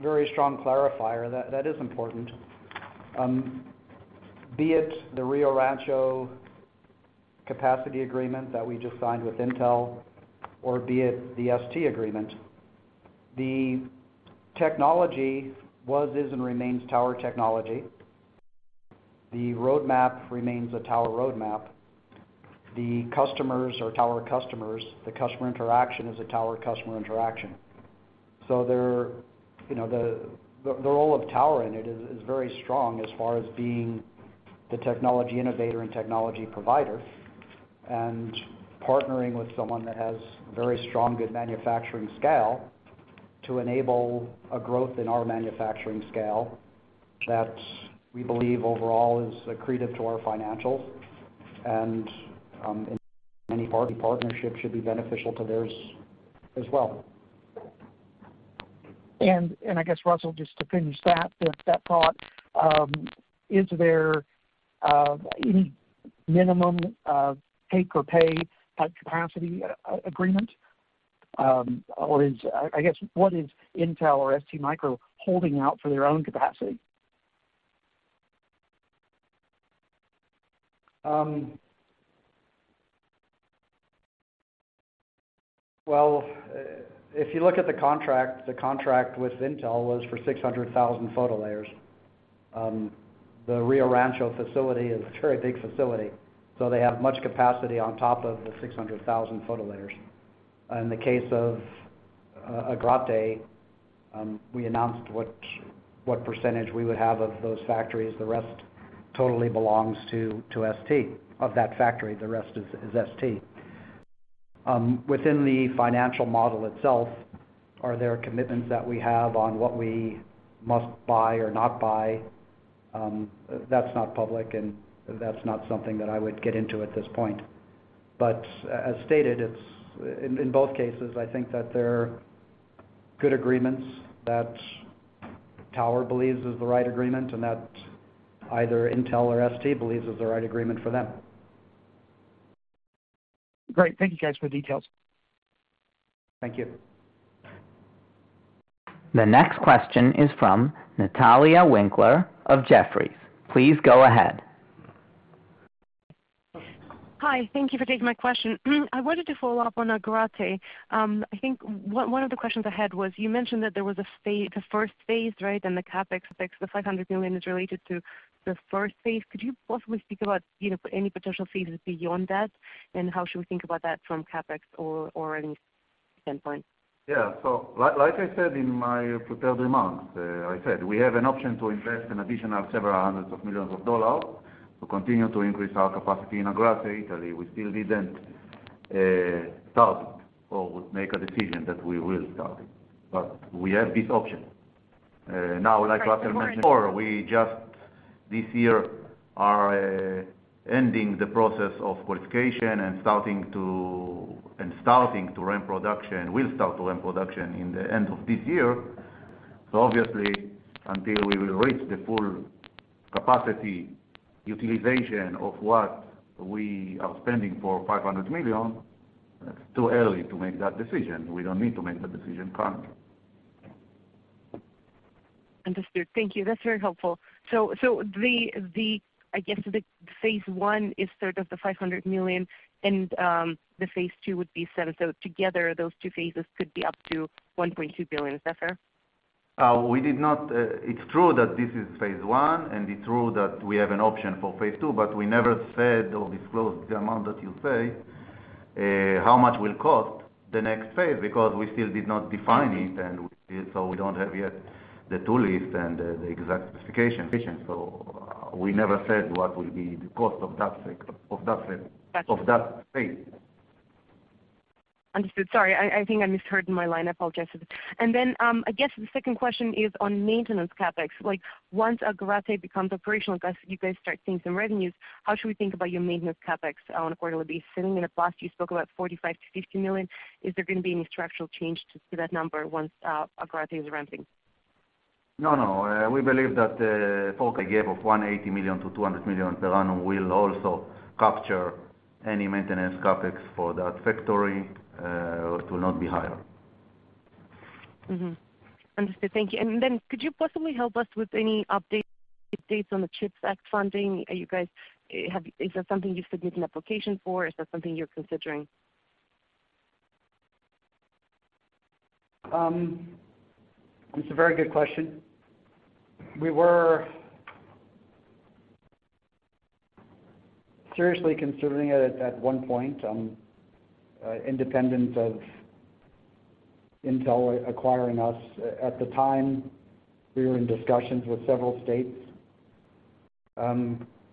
very strong clarifier that is important, be it the Rio Rancho capacity agreement that we just signed with Intel, or be it the ST agreement, the technology was, is, and remains Tower technology. The roadmap remains a Tower roadmap. The customers are Tower customers. The customer interaction is a Tower customer interaction. So there, you know, the, the role of Tower in it is, is very strong as far as being the technology innovator and technology provider, and partnering with someone that has very strong, good manufacturing scale to enable a growth in our manufacturing scale that we believe overall is accretive to our financials, and, in many parts, the partnership should be beneficial to theirs as well. And I guess, Russell, just to finish that thought, is there any minimum take or pay type capacity agreement? Or is—I guess, what is Intel or STMicro holding out for their own capacity? Well, if you look at the contract, the contract with Intel was for 600,000 photo layers. The Rio Rancho facility is a very big facility, so they have much capacity on top of the 600,000 photo layers. In the case of Agrate, we announced what percentage we would have of those factories. The rest totally belongs to ST. Of that factory, the rest is ST. Within the financial model itself, are there commitments that we have on what we must buy or not buy? That's not public, and that's not something that I would get into at this point. But as stated, it's in both cases, I think that they're good agreements, that Tower believes is the right agreement, and that either Intel or ST believes is the right agreement for them. Great. Thank you, guys, for the details. Thank you. The next question is from Natalia Winkler of Jefferies. Please go ahead. Hi, thank you for taking my question. I wanted to follow up on Agrate. I think one, one of the questions I had was, you mentioned that there was the first phase, right? And the CapEx, the $500 million is related to the first phase. Could you possibly speak about, you know, any potential phases beyond that, and how should we think about that from CapEx or, or any standpoint? Yeah. So like I said in my prepared remarks, I said, we have an option to invest an additional several hundred million dollars to continue to increase our capacity in Agrate, Italy. We still didn't start or make a decision that we will start, but we have this option. Now, like Russell mentioned before, we just, this year, are ending the process of qualification and starting to ramp production, will start to ramp production in the end of this year. So obviously, until we will reach the full capacity utilization of what we are spending for $500 million, it's too early to make that decision. We don't need to make that decision currently. Understood. Thank you. That's very helpful. So, I guess, the phase one is sort of the $500 million, and the phase two would be $700 million. So together, those two phases could be up to $1.2 billion. Is that fair? We did not. It's true that this is phase one, and it's true that we have an option for phase two, but we never said or disclosed the amount that you say, how much will cost the next phase, because we still did not define it, and so we don't have yet the tool list and the, the exact specification. So we never said what will be the cost of that phase, of that phase. Understood. Sorry, I think I misheard in my line. I apologize. And then, I guess the second question is on maintenance CapEx. Like, once Agrate becomes operational, guys, you guys start seeing some revenues, how should we think about your maintenance CapEx on a quarterly basis? In the past, you spoke about $45 million-$50 million. Is there gonna be any structural change to that number once Agrate is ramping? No, no. We believe that, total I gave of $180 million-$200 million per annum will also capture any maintenance CapEx for that factory, to not be higher. Mm-hmm. Understood. Thank you. And then could you possibly help us with any updates, updates on the CHIPS Act funding? Are you guys, is that something you submit an application for? Is that something you're considering? It's a very good question. We were seriously considering it at one point, independent of Intel acquiring us. At the time, we were in discussions with several states.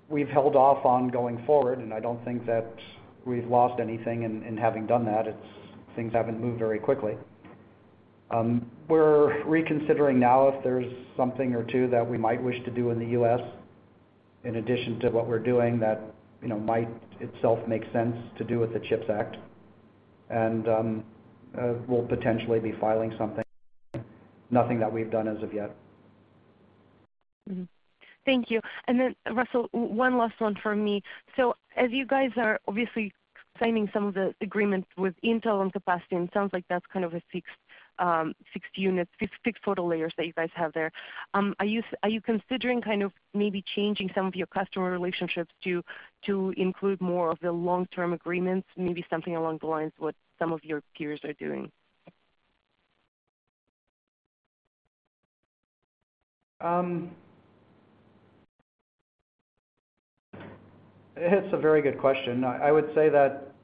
We've held off on going forward, and I don't think that we've lost anything in having done that. It's, things haven't moved very quickly. We're reconsidering now if there's something or two that we might wish to do in the U.S., in addition to what we're doing that, you know, might itself make sense to do with the CHIPS Act. And, we'll potentially be filing something, nothing that we've done as of yet. Mm-hmm. Thank you. And then, Russell, one last one from me. So as you guys are obviously signing some of the agreements with Intel on capacity, and it sounds like that's kind of a fixed unit, fixed photo layers that you guys have there, are you considering kind of maybe changing some of your customer relationships to include more of the long-term agreements, maybe something along the lines what some of your peers are doing? It's a very good question. I would say that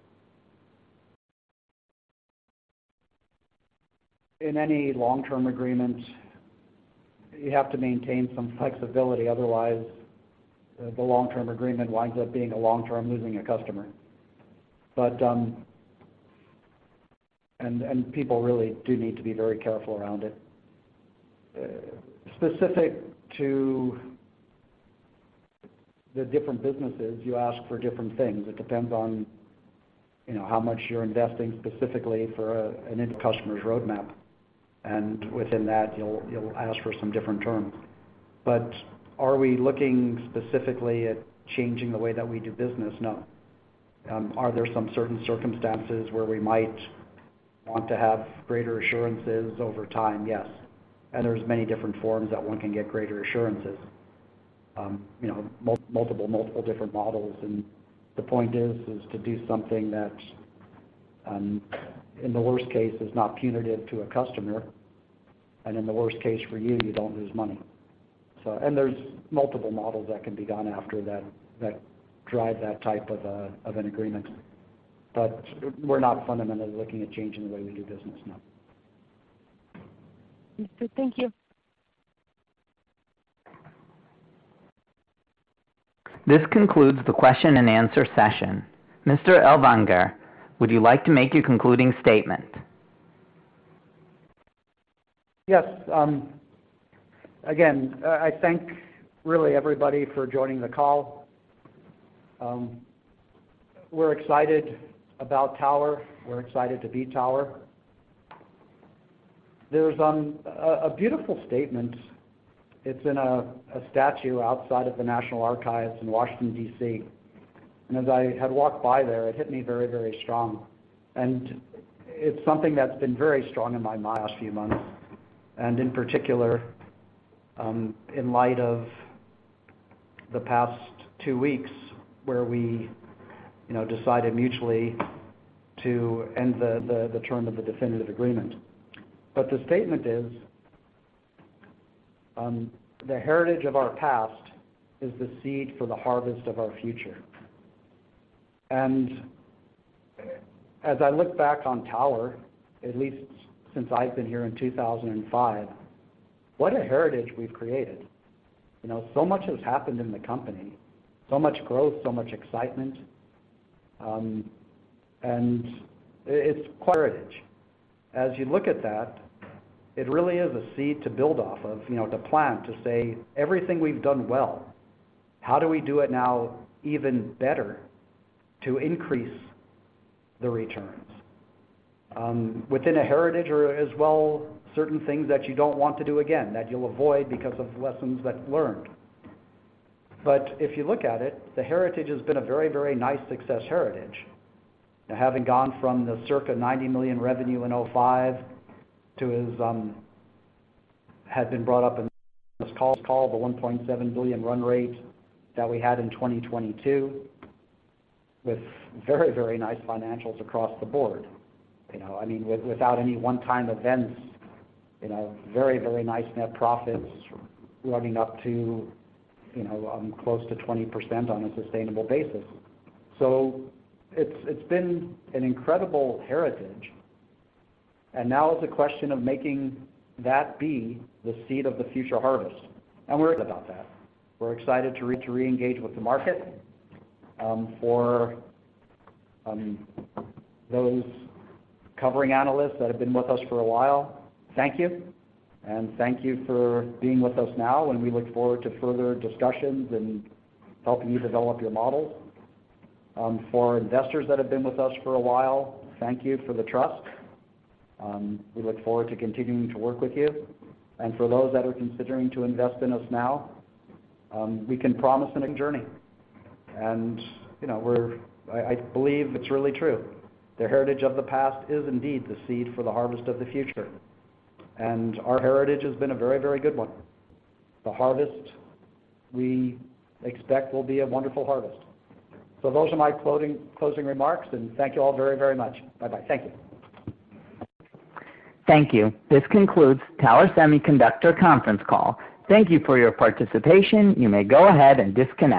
in any long-term agreement, you have to maintain some flexibility, otherwise, the long-term agreement winds up being a long-term losing a customer. But, and people really do need to be very careful around it. Specific to the different businesses, you ask for different things. It depends on, you know, how much you're investing specifically for an end customer's roadmap. And within that, you'll ask for some different terms. But are we looking specifically at changing the way that we do business? No. Are there some certain circumstances where we might want to have greater assurances over time? Yes. And there's many different forms that one can get greater assurances. You know, multiple different models, and the point is to do something that, in the worst case, is not punitive to a customer, and in the worst case for you, you don't lose money. So. And there's multiple models that can be gone after that, that drive that type of an agreement. But we're not fundamentally looking at changing the way we do business, no. Thank you. This concludes the question and answer session. Mr. Ellwanger, would you like to make a concluding statement? Yes. Again, I thank really everybody for joining the call. We're excited about Tower. We're excited to be Tower. There's a beautiful statement. It's in a statue outside of the National Archives in Washington, D.C., and as I had walked by there, it hit me very, very strong. And it's something that's been very strong in my mind last few months, and in particular, in light of the past two weeks, where we, you know, decided mutually to end the term of the definitive agreement. But the statement is: The heritage of our past is the seed for the harvest of our future. And as I look back on Tower, at least since I've been here in 2005, what a heritage we've created. You know, so much has happened in the company, so much growth, so much excitement, and it, it's quite a heritage. As you look at that, it really is a seed to build off of, you know, to plant, to say, everything we've done well, how do we do it now even better, to increase the returns? Within a heritage or as well, certain things that you don't want to do again, that you'll avoid because of the lessons that learned. But if you look at it, the heritage has been a very, very nice success heritage. Having gone from the circa $90 million revenue in 2005 to, as had been brought up in this call, the $1.7 billion run rate that we had in 2022, with very, very nice financials across the board. You know, I mean, without any one-time events, you know, very, very nice net profits, running up to, you know, close to 20% on a sustainable basis. So it's been an incredible heritage, and now is a question of making that be the seed of the future harvest, and we're excited about that. We're excited to reengage with the market. For those covering analysts that have been with us for a while, thank you, and thank you for being with us now, and we look forward to further discussions and helping you develop your models. For investors that have been with us for a while, thank you for the trust. We look forward to continuing to work with you. And for those that are considering to invest in us now, we can promise a journey. You know, I, I believe it's really true. The heritage of the past is indeed the seed for the harvest of the future, and our heritage has been a very, very good one. The harvest we expect will be a wonderful harvest. So those are my closing, closing remarks, and thank you all very, very much. Bye-bye. Thank you. Thank you. This concludes Tower Semiconductor conference call. Thank you for your participation. You may go ahead and disconnect.